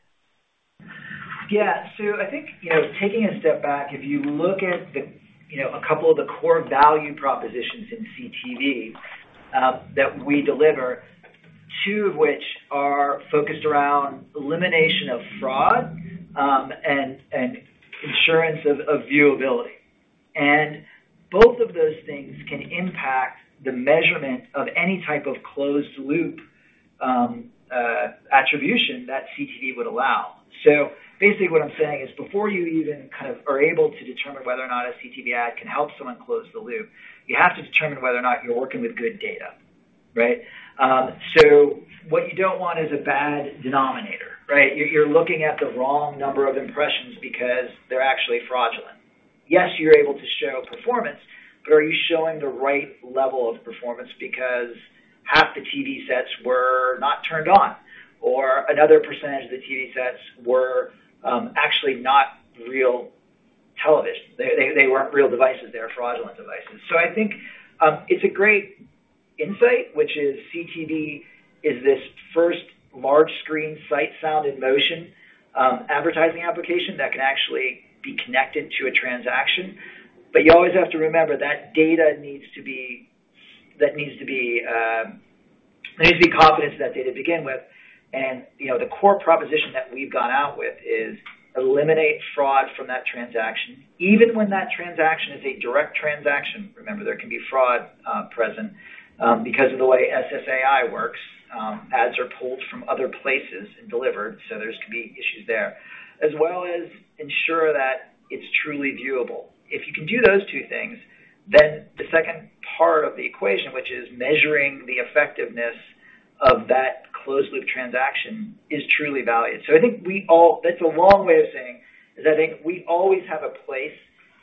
Yeah. I think, you know, taking a step back, if you look at the, you know, a couple of the core value propositions in CTV that we deliver, two of which are focused around elimination of fraud and assurance of viewability. Both of those things can impact the measurement of any type of closed loop attribution that CTV would allow. Basically, what I'm saying is before you even kind of are able to determine whether or not a CTV ad can help someone close the loop, you have to determine whether or not you're working with good data, right? What you don't want is a bad denominator, right? You're looking at the wrong number of impressions because they're actually fraudulent. Yes, you're able to show performance, but are you showing the right level of performance because half the TV sets were not turned on, or another percentage of the TV sets were actually not real television. They weren't real devices. They were fraudulent devices. I think it's a great insight, which is CTV is this first large screen sight, sound in motion advertising application that can actually be connected to a transaction. You always have to remember that there needs to be confidence in that data to begin with. You know, the core proposition that we've gone out with is eliminate fraud from that transaction. Even when that transaction is a direct transaction, remember, there can be fraud present because of the way SSAI works. Ads are pulled from other places and delivered, so there could be issues there as well as ensure that it's truly viewable. If you can do those two things, then the second part of the equation, which is measuring the effectiveness of that closed loop transaction, is truly valued. I think that's a long way of saying is I think we always have a place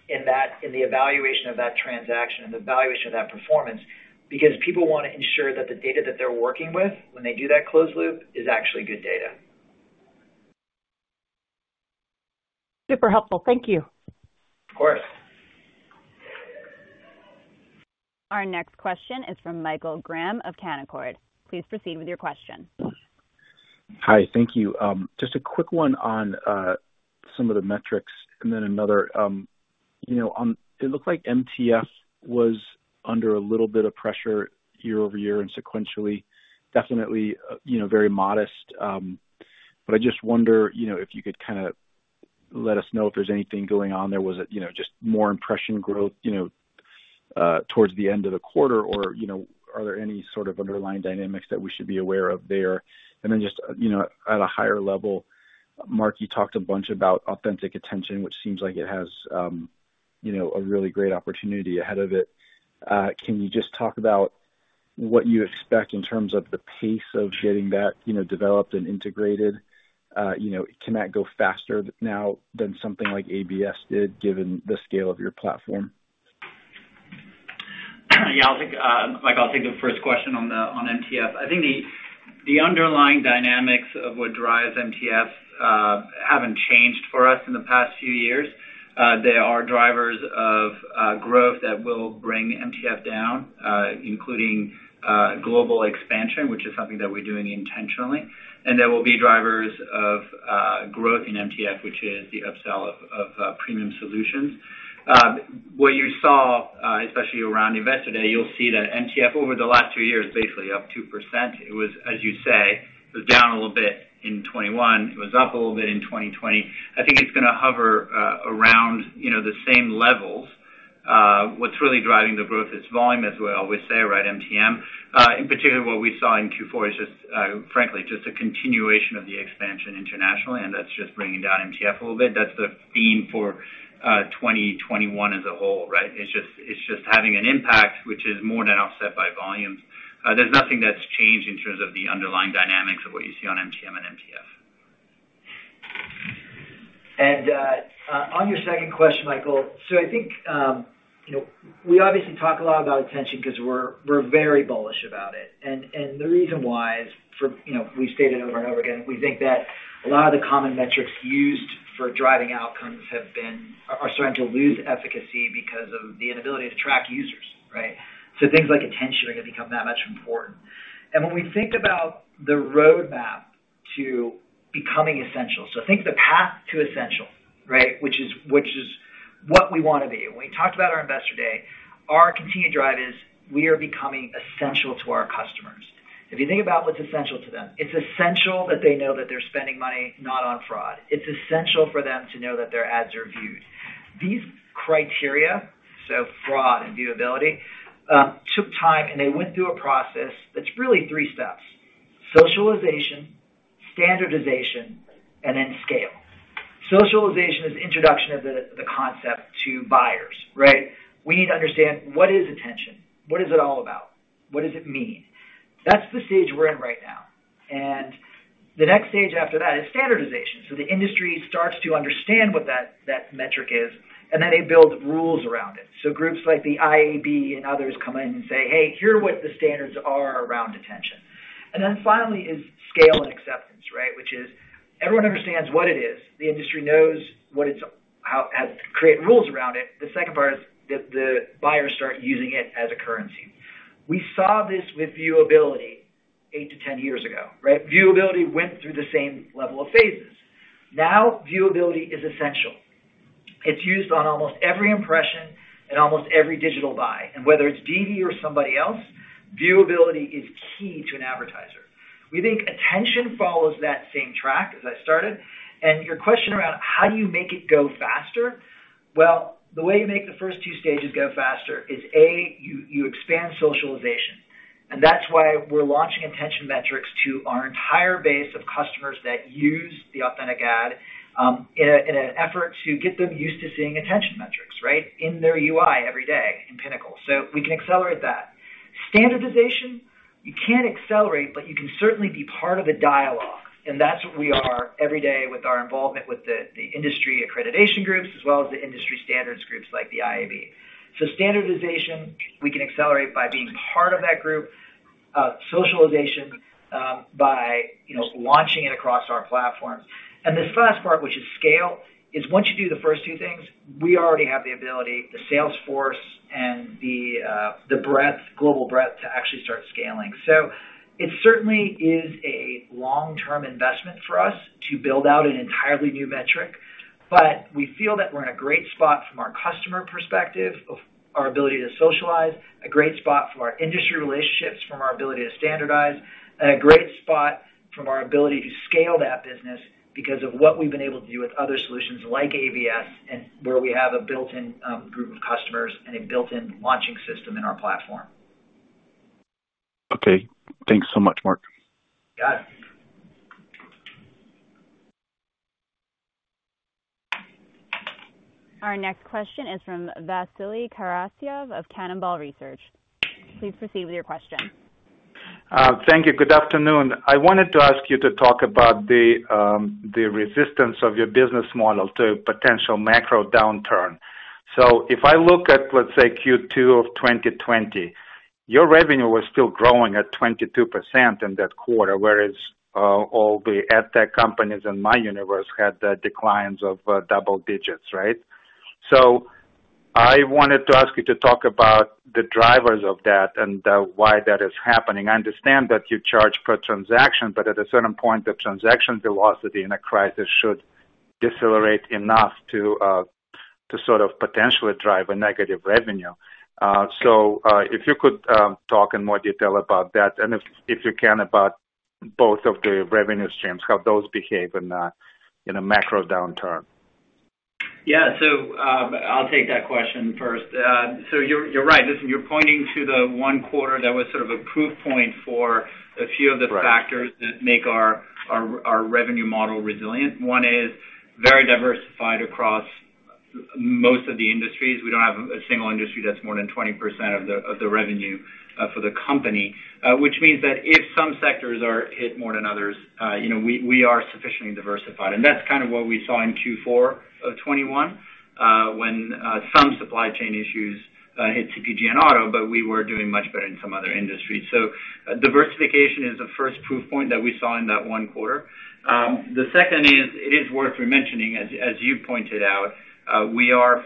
in that, in the evaluation of that transaction and the evaluation of that performance because people wanna ensure that the data that they're working with when they do that closed loop is actually good data. Super helpful. Thank you. Of course. Our next question is from Michael Graham of Canaccord. Please proceed with your question. Hi. Thank you. Just a quick one on some of the metrics and then another, you know, on. It looked like MTF was under a little bit of pressure year-over-year and sequentially, definitely, you know, very modest. I just wonder, you know, if you could kinda let us know if there's anything going on there. Was it, you know, just more impression growth, you know, towards the end of the quarter, or, you know, are there any sort of underlying dynamics that we should be aware of there? Just, you know, at a higher level, Mark, you talked a bunch about Authentic Attention, which seems like it has, you know, a really great opportunity ahead of it. Can you just talk about what you expect in terms of the pace of getting that, you know, developed and integrated? You know, can that go faster now than something like ABS did, given the scale of your platform? Yeah. I'll take Michael's first question on MTF. I think the underlying dynamics of what drives MTF haven't changed for us in the past few years. There are drivers of growth that will bring MTF down, including global expansion, which is something that we're doing intentionally. There will be drivers of growth in MTF, which is the upsell of premium solutions. What you saw, especially around Investor Day, you'll see that MTF over the last two years is basically up 2%. It was, as you say, down a little bit in 2021. It was up a little bit in 2020. I think it's gonna hover around, you know, the same levels. What's really driving the growth is volume as well, we say, right, MTM. In particular, what we saw in Q4 is just frankly just a continuation of the expansion internationally, and that's just bringing down MTF a little bit. That's the theme for 2021 as a whole, right? It's just having an impact, which is more than offset by volumes. There's nothing that's changed in terms of the underlying dynamics of what you see on MTM and MTF. On your second question, Michael, I think you know we obviously talk a lot about attention 'cause we're very bullish about it. The reason why is for, you know, we've stated over and over again, we think that a lot of the common metrics used for driving outcomes are starting to lose efficacy because of the inability to track users, right? Things like attention are gonna become that much important. When we think about the roadmap to becoming essential, think the path to essential, right, which is what we wanna be. When we talked about our Investor Day, our continued drive is we are becoming essential to our customers. If you think about what's essential to them, it's essential that they know that they're spending money not on fraud. It's essential for them to know that their ads are viewed. These criteria, fraud and viewability, took time, and they went through a process that's really three steps, socialization, standardization, and then scale. Socialization is introduction of the concept to buyers, right? We need to understand what is attention, what is it all about, what does it mean? That's the stage we're in right now. The next stage after that is standardization. The industry starts to understand what that metric is, and then they build rules around it. Groups like the IAB and others come in and say, "Hey, here are what the standards are around attention." Then finally is scale and acceptance, right? Everyone understands what it is. The industry knows what it is, how it has created rules around it. The second part is the buyers start using it as a currency. We saw this with viewability eight-10 years ago, right? Viewability went through the same level of phases. Now viewability is essential. It's used on almost every impression and almost every digital buy. Whether it's DV or somebody else, viewability is key to an advertiser. We think attention follows that same track as I started. Your question around how do you make it go faster? Well, the way you make the first two stages go faster is, A, you expand socialization. That's why we're launching attention metrics to our entire base of customers that use the Authentic Ad in an effort to get them used to seeing attention metrics, right? In their UI every day in Pinnacle. We can accelerate that. Standardization, you can't accelerate, but you can certainly be part of the dialogue, and that's what we are every day with our involvement with the industry accreditation groups as well as the industry standards groups like the IAB. Standardization, we can accelerate by being part of that group. Socialization by you know launching it across our platform. This last part, which is scale, is once you do the first two things, we already have the ability, the sales force and the breadth, global breadth to actually start scaling. It certainly is a long-term investment for us to build out an entirely new metric. We feel that we're in a great spot from our customer perspective of our ability to socialize, a great spot from our industry relationships, from our ability to standardize, and a great spot from our ability to scale that business because of what we've been able to do with other solutions like ABS and where we have a built-in group of customers and a built-in launching system in our platform. Okay. Thanks so much, Mark. Got it. Our next question is from Vasily Karasyov of Cannonball Research. Please proceed with your question. Thank you. Good afternoon. I wanted to ask you to talk about the resistance of your business model to potential macro downturn. If I look at, let's say, Q2 of 2020, your revenue was still growing at 22% in that quarter, whereas all the ad tech companies in my universe had the declines of double digits, right? I wanted to ask you to talk about the drivers of that and why that is happening. I understand that you charge per transaction, but at a certain point, the transaction velocity in a crisis should decelerate enough to sort of potentially drive a negative revenue. If you could talk in more detail about that and if you can about both of the revenue streams, how those behave in a macro downturn. Yeah. I'll take that question first. You're right. Listen, you're pointing to the one quarter that was sort of a proof point for a few of the Right. Factors that make our revenue model resilient. One is very diversified across most of the industries. We don't have a single industry that's more than 20% of the revenue for the company. Which means that if some sectors are hit more than others, you know, we are sufficiently diversified. That's kind of what we saw in Q4 of 2021, when some supply chain issues hit CPG and auto, but we were doing much better in some other industries. Diversification is the first proof point that we saw in that one quarter. The second is, it is worth mentioning as you pointed out, we are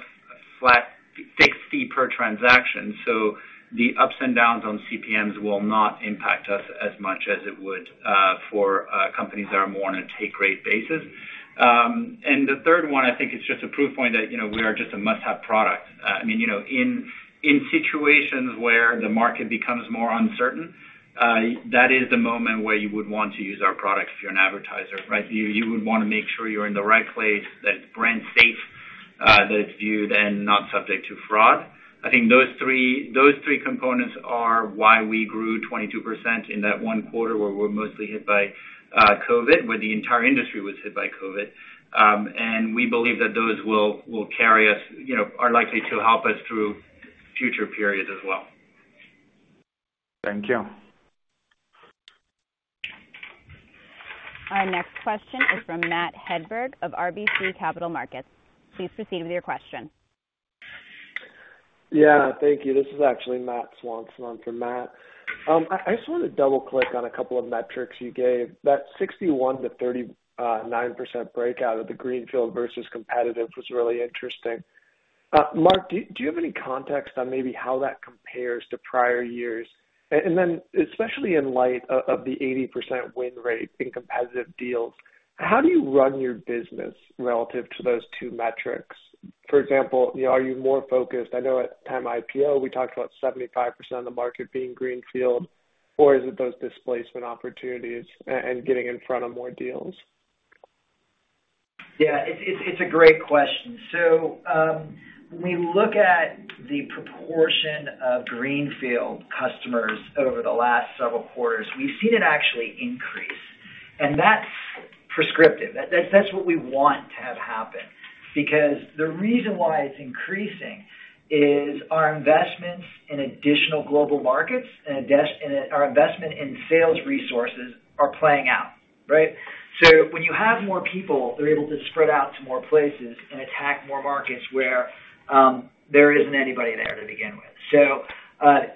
flat fixed fee per transaction, so the ups and downs on CPMs will not impact us as much as it would for companies that are more on a take rate basis. The third one I think is just a proof point that, you know, we are just a must-have product. I mean, you know, in situations where the market becomes more uncertain, that is the moment where you would want to use our product if you're an advertiser, right? You would wanna make sure you're in the right place, that it's brand safe, that it's viewed and not subject to fraud. I think those three components are why we grew 22% in that one quarter where we're mostly hit by COVID, where the entire industry was hit by COVID. We believe that those will carry us, you know, are likely to help us through future periods as well. Thank you. Our next question is from Matt Hedberg of RBC Capital Markets. Please proceed with your question. Yeah. Thank you. This is actually Matt Swanson on for Matt. I just wanna double-click on a couple of metrics you gave. That 61%-39% breakout of the greenfield versus competitive was really interesting. Mark, do you have any context on maybe how that compares to prior years? And then especially in light of the 80% win rate in competitive deals, how do you run your business relative to those two metrics? For example, you know, are you more focused, I know at the time of IPO, we talked about 75% of the market being greenfield, or is it those displacement opportunities and getting in front of more deals? Yeah. It's a great question. When we look at the proportion of greenfield customers over the last several quarters, we've seen it actually increase. That's prescriptive. That's what we want to have happen because the reason why it's increasing is our investments in additional global markets and our investment in sales resources are playing out, right? When you have more people, they're able to spread out to more places and attack more markets where there isn't anybody there to begin with.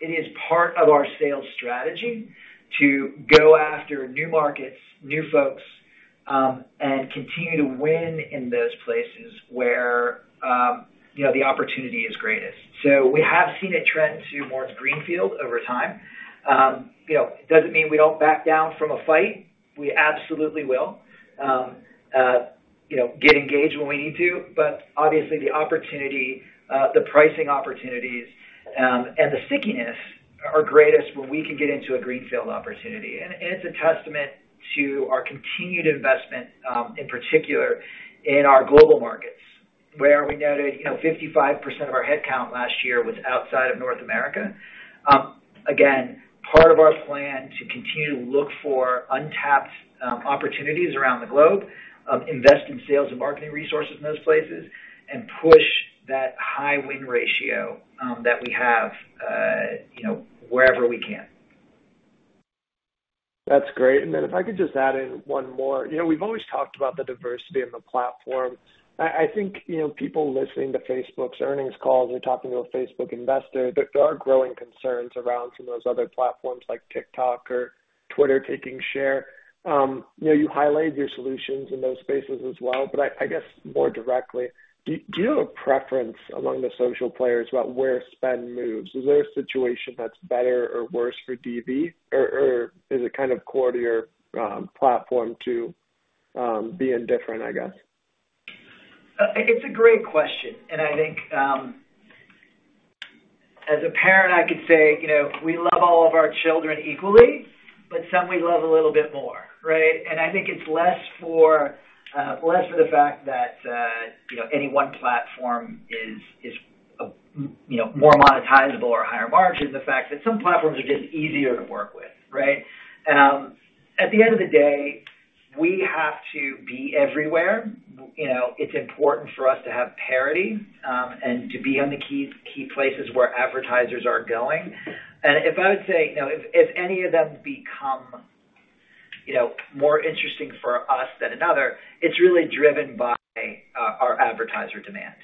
It is part of our sales strategy to go after new markets, new folks, and continue to win in those places where, you know, the opportunity is greatest. We have seen a trend to more greenfield over time. You know, it doesn't mean we don't back down from a fight. We absolutely will, you know, get engaged when we need to. Obviously the opportunity, the pricing opportunities, and the stickiness are greatest when we can get into a greenfield opportunity. It's a testament to our continued investment in particular in our global markets, where we noted, you know, 55% of our headcount last year was outside of North America. Again, part of our plan to continue to look for untapped opportunities around the globe, invest in sales and marketing resources in those places, and push that high win ratio that we have, you know, wherever we can. That's great. If I could just add in one more. You know, we've always talked about the diversity in the platform. I think, you know, people listening to Facebook's earnings calls or talking to a Facebook investor, there are growing concerns around some of those other platforms like TikTok or Twitter taking share. You know, you highlight your solutions in those spaces as well. I guess more directly, do you have a preference among the social players about where spend moves? Is there a situation that's better or worse for DV? Or is it kind of core to your platform to be indifferent, I guess? It's a great question. I think, as a parent, I could say, you know, we love all of our children equally, but some we love a little bit more, right? I think it's less so for the fact that, you know, any one platform is more monetizable or higher margin. The fact that some platforms are just easier to work with, right? At the end of the day, we have to be everywhere. You know, it's important for us to have parity, and to be on the key places where advertisers are going. If I would say, you know, if any of them become more interesting for us than another, it's really driven by our advertiser demand,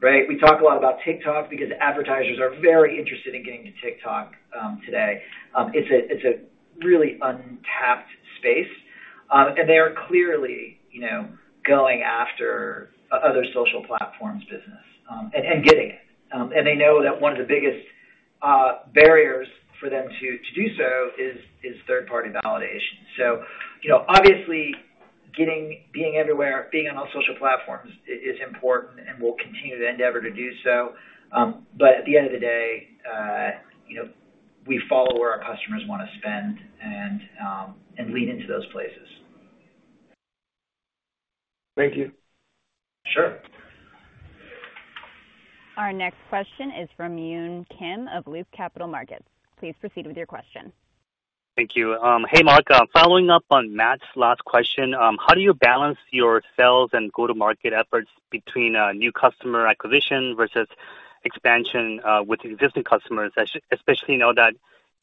right? We talk a lot about TikTok because advertisers are very interested in getting to TikTok today. It's a really untapped space. They are clearly, you know, going after other social platforms business, and getting it. They know that one of the biggest barriers for them to do so is third-party validation. You know, obviously being everywhere, being on all social platforms is important, and we'll continue to endeavor to do so. At the end of the day, you know, we follow where our customers wanna spend and lean into those places. Thank you. Sure. Our next question is from Yun Kim of Loop Capital Markets. Please proceed with your question. Thank you. Hey, Mark. Following up on Matt's last question, how do you balance your sales and go-to-market efforts between new customer acquisition versus expansion with existing customers, especially now that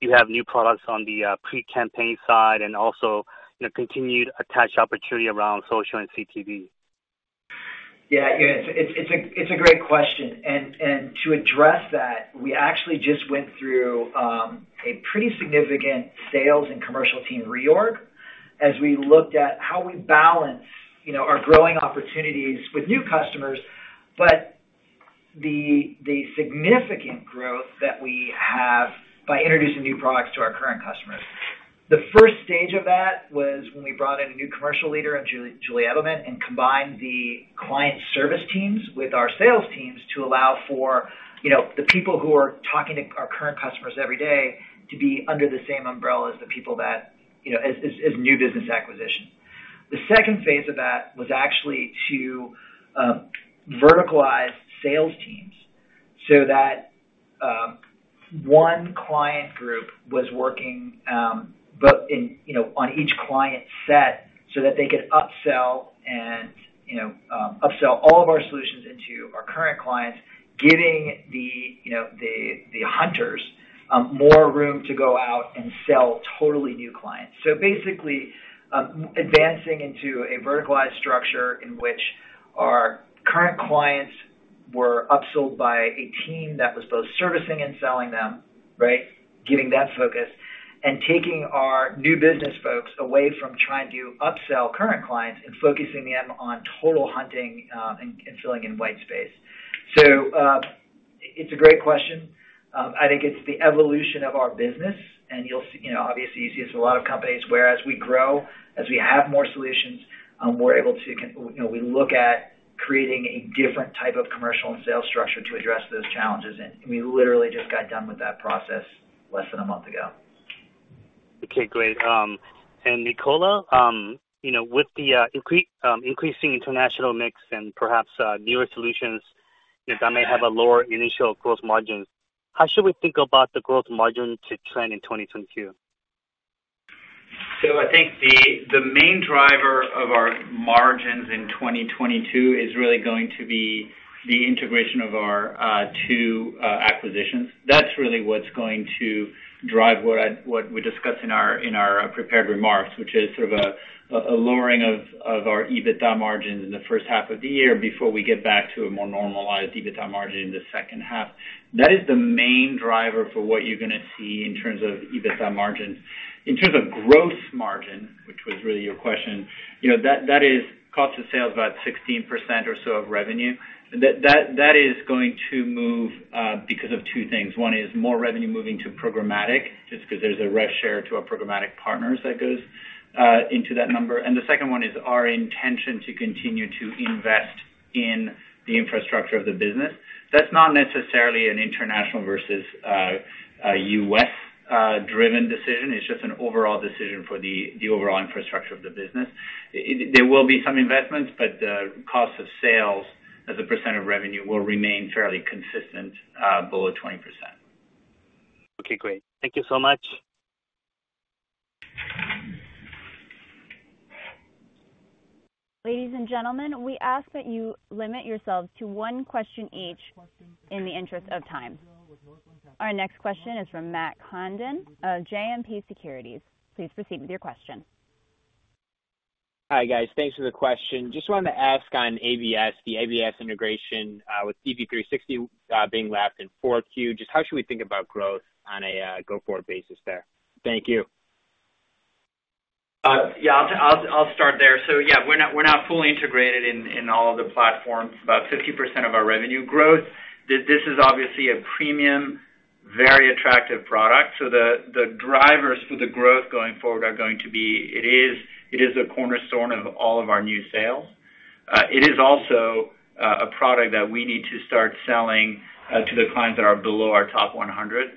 you have new products on the pre-campaign side and also, you know, continued attach opportunity around social and CTV? Yeah. It's a great question. To address that, we actually just went through a pretty significant sales and commercial team reorg as we looked at how we balance, you know, our growing opportunities with new customers. The significant growth that we have by introducing new products to our current customers. The first stage of that was when we brought in a new commercial leader in Julie Eddleman, and combined the client service teams with our sales teams to allow for, you know, the people who are talking to our current customers every day to be under the same umbrella as the people that, you know, as new business acquisition. The second phase of that was actually to verticalize sales teams so that one client group was working on each client set so that they could upsell and you know upsell all of our solutions into our current clients, giving the you know the hunters more room to go out and sell totally new clients. Basically, advancing into a verticalized structure in which our current clients were upsold by a team that was both servicing and selling them, right? Giving that focus and taking our new business folks away from trying to upsell current clients and focusing them on total hunting and filling in white space. It's a great question. I think it's the evolution of our business, and you'll see, you know, obviously you see this in a lot of companies where as we grow, as we have more solutions, we're able to, you know, we look at creating a different type of commercial and sales structure to address those challenges. We literally just got done with that process less than a month ago. Okay, great. Nicola, you know, with the increasing international mix and perhaps newer solutions. That may have a lower initial gross margins. How should we think about the gross margin trend in 2022? I think the main driver of our margins in 2022 is really going to be the integration of our two acquisitions. That's really what's going to drive what we discussed in our prepared remarks, which is sort of a lowering of our EBITDA margins in the first half of the year before we get back to a more normalized EBITDA margin in the second half. That is the main driver for what you're gonna see in terms of EBITDA margins. In terms of gross margin, which was really your question, you know, that is cost of sales about 16% or so of revenue. That is going to move because of two things. One is more revenue moving to programmatic, just 'cause there's a rev share to our programmatic partners that goes into that number. The second one is our intention to continue to invest in the infrastructure of the business. That's not necessarily an international versus a U.S. driven decision. It's just an overall decision for the overall infrastructure of the business. There will be some investments, but the cost of sales as a percent of revenue will remain fairly consistent below 20%. Okay, great. Thank you so much. Ladies and gentlemen, we ask that you limit yourselves to one question each in the interest of time. Our next question is from Matt Condon of JMP Securities. Please proceed with your question. Hi, guys. Thanks for the question. Just wanted to ask on ABS, the ABS integration with DV360 being lapped in 4Q. Just how should we think about growth on a go-forward basis there? Thank you. I'll start there. We're not fully integrated in all of the platforms, about 50% of our revenue growth. This is obviously a premium, very attractive product. The drivers for the growth going forward are going to be. It is a cornerstone of all of our new sales. It is also a product that we need to start selling to the clients that are below our top 100.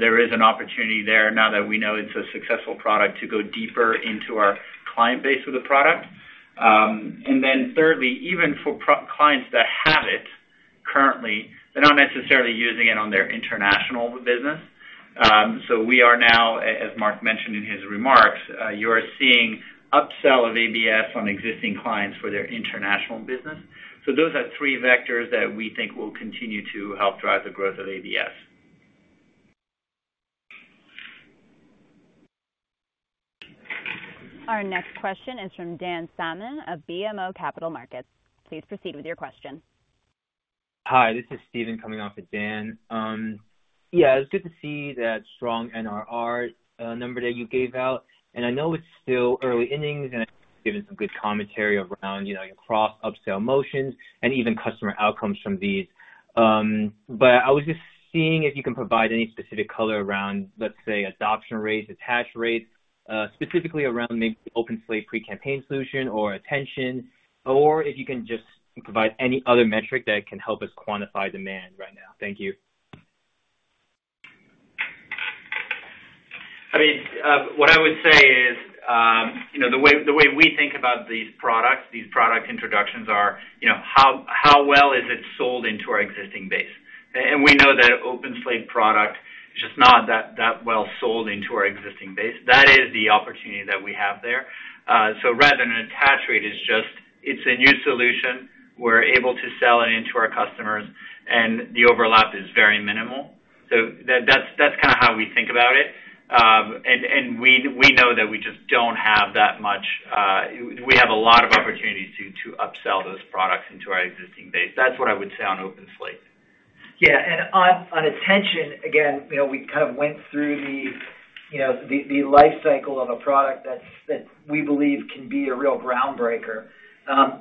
There is an opportunity there now that we know it's a successful product to go deeper into our client base with the product. Then thirdly, even for clients that have it currently, they're not necessarily using it on their international business. We are now, as Mark mentioned in his remarks, you're seeing upsell of ABS on existing clients for their international business. Those are three vectors that we think will continue to help drive the growth of ABS. Our next question is from Dan Salmon of BMO Capital Markets. Please proceed with your question. Hi, this is Steven coming off of Dan. Yeah, it's good to see that strong NRR number that you gave out. I know it's still early innings, and given some good commentary around, you know, your cross upsell motions and even customer outcomes from these. But I was just seeing if you can provide any specific color around, let's say, adoption rates, attach rates, specifically around maybe OpenSlate pre-campaign solution or Attention, or if you can just provide any other metric that can help us quantify demand right now. Thank you. I mean, what I would say is, you know, the way we think about these products, these product introductions are, you know, how well is it sold into our existing base? We know that OpenSlate product is just not that well sold into our existing base. That is the opportunity that we have there. Rather than attach rate, it's just a new solution. We're able to sell it into our customers, and the overlap is very minimal. That's kinda how we think about it. We know that we just don't have that much. We have a lot of opportunities to upsell those products into our existing base. That's what I would say on OpenSlate. Yeah, on Attention, again, you know, we kind of went through the life cycle of a product that's we believe can be a real groundbreaker.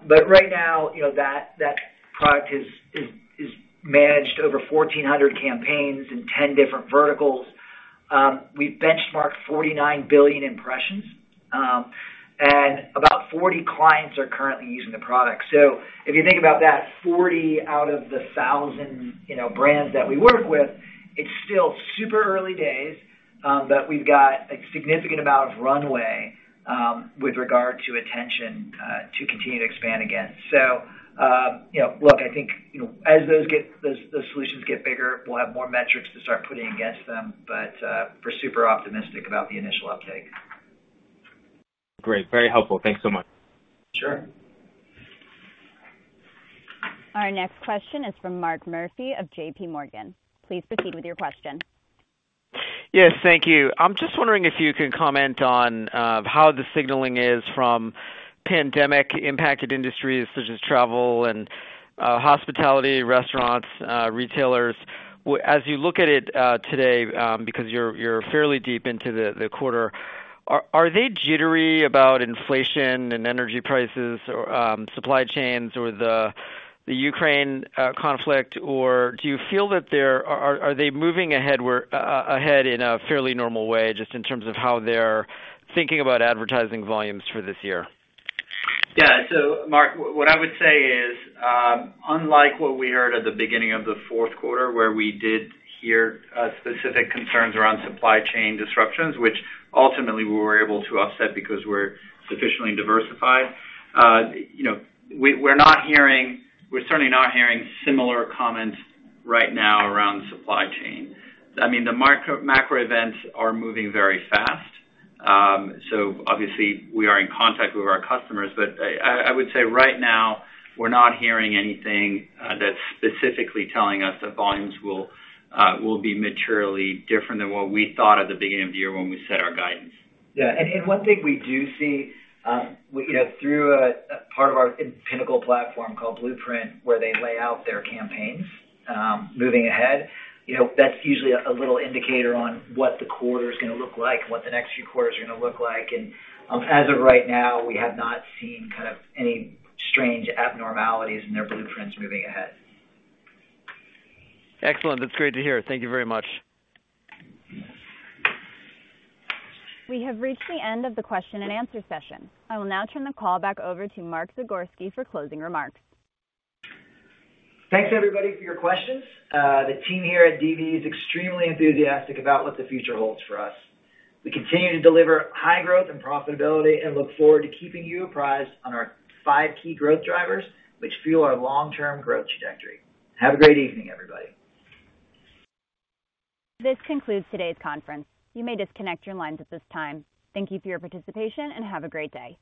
But right now, you know, that product is managed over 1,400 campaigns in 10 different verticals. We've benchmarked 49 billion impressions, and about 40 clients are currently using the product. If you think about that, 40 out of the 1,000 brands that we work with, it's still super early days, but we've got a significant amount of runway with regard to Attention to continue to expand again. You know, look, I think, you know, as those solutions get bigger, we'll have more metrics to start putting against them. We're super optimistic about the initial uptake. Great. Very helpful. Thanks so much. Sure. Our next question is from Mark Murphy of J.P. Morgan. Please proceed with your question. Yes, thank you. I'm just wondering if you can comment on how the signaling is from pandemic-impacted industries such as travel and hospitality, restaurants, retailers. As you look at it today, because you're fairly deep into the quarter, are they jittery about inflation and energy prices or supply chains or the Ukraine conflict? Or do you feel that they're moving ahead in a fairly normal way, just in terms of how they're thinking about advertising volumes for this year? Yeah, Mark, what I would say is, unlike what we heard at the beginning of the fourth quarter, where we did hear specific concerns around supply chain disruptions, which ultimately we were able to offset because we're sufficiently diversified. You know, we're certainly not hearing similar comments right now around supply chain. I mean, the macro events are moving very fast. Obviously we are in contact with our customers, but I would say right now we're not hearing anything that's specifically telling us that volumes will be materially different than what we thought at the beginning of the year when we set our guidance. One thing we do see through a part of our Pinnacle platform called Blueprint, where they lay out their campaigns moving ahead, that's usually a little indicator on what the quarter's gonna look like and what the next few quarters are gonna look like. As of right now, we have not seen kind of any strange abnormalities in their Blueprints moving ahead. Excellent. That's great to hear. Thank you very much. We have reached the end of the question and answer session. I will now turn the call back over to Mark Zagorski for closing remarks. Thanks, everybody, for your questions. The team here at DV is extremely enthusiastic about what the future holds for us. We continue to deliver high growth and profitability and look forward to keeping you apprised on our five key growth drivers, which fuel our long-term growth trajectory. Have a great evening, everybody. This concludes today's conference. You may disconnect your lines at this time. Thank you for your participation, and have a great day.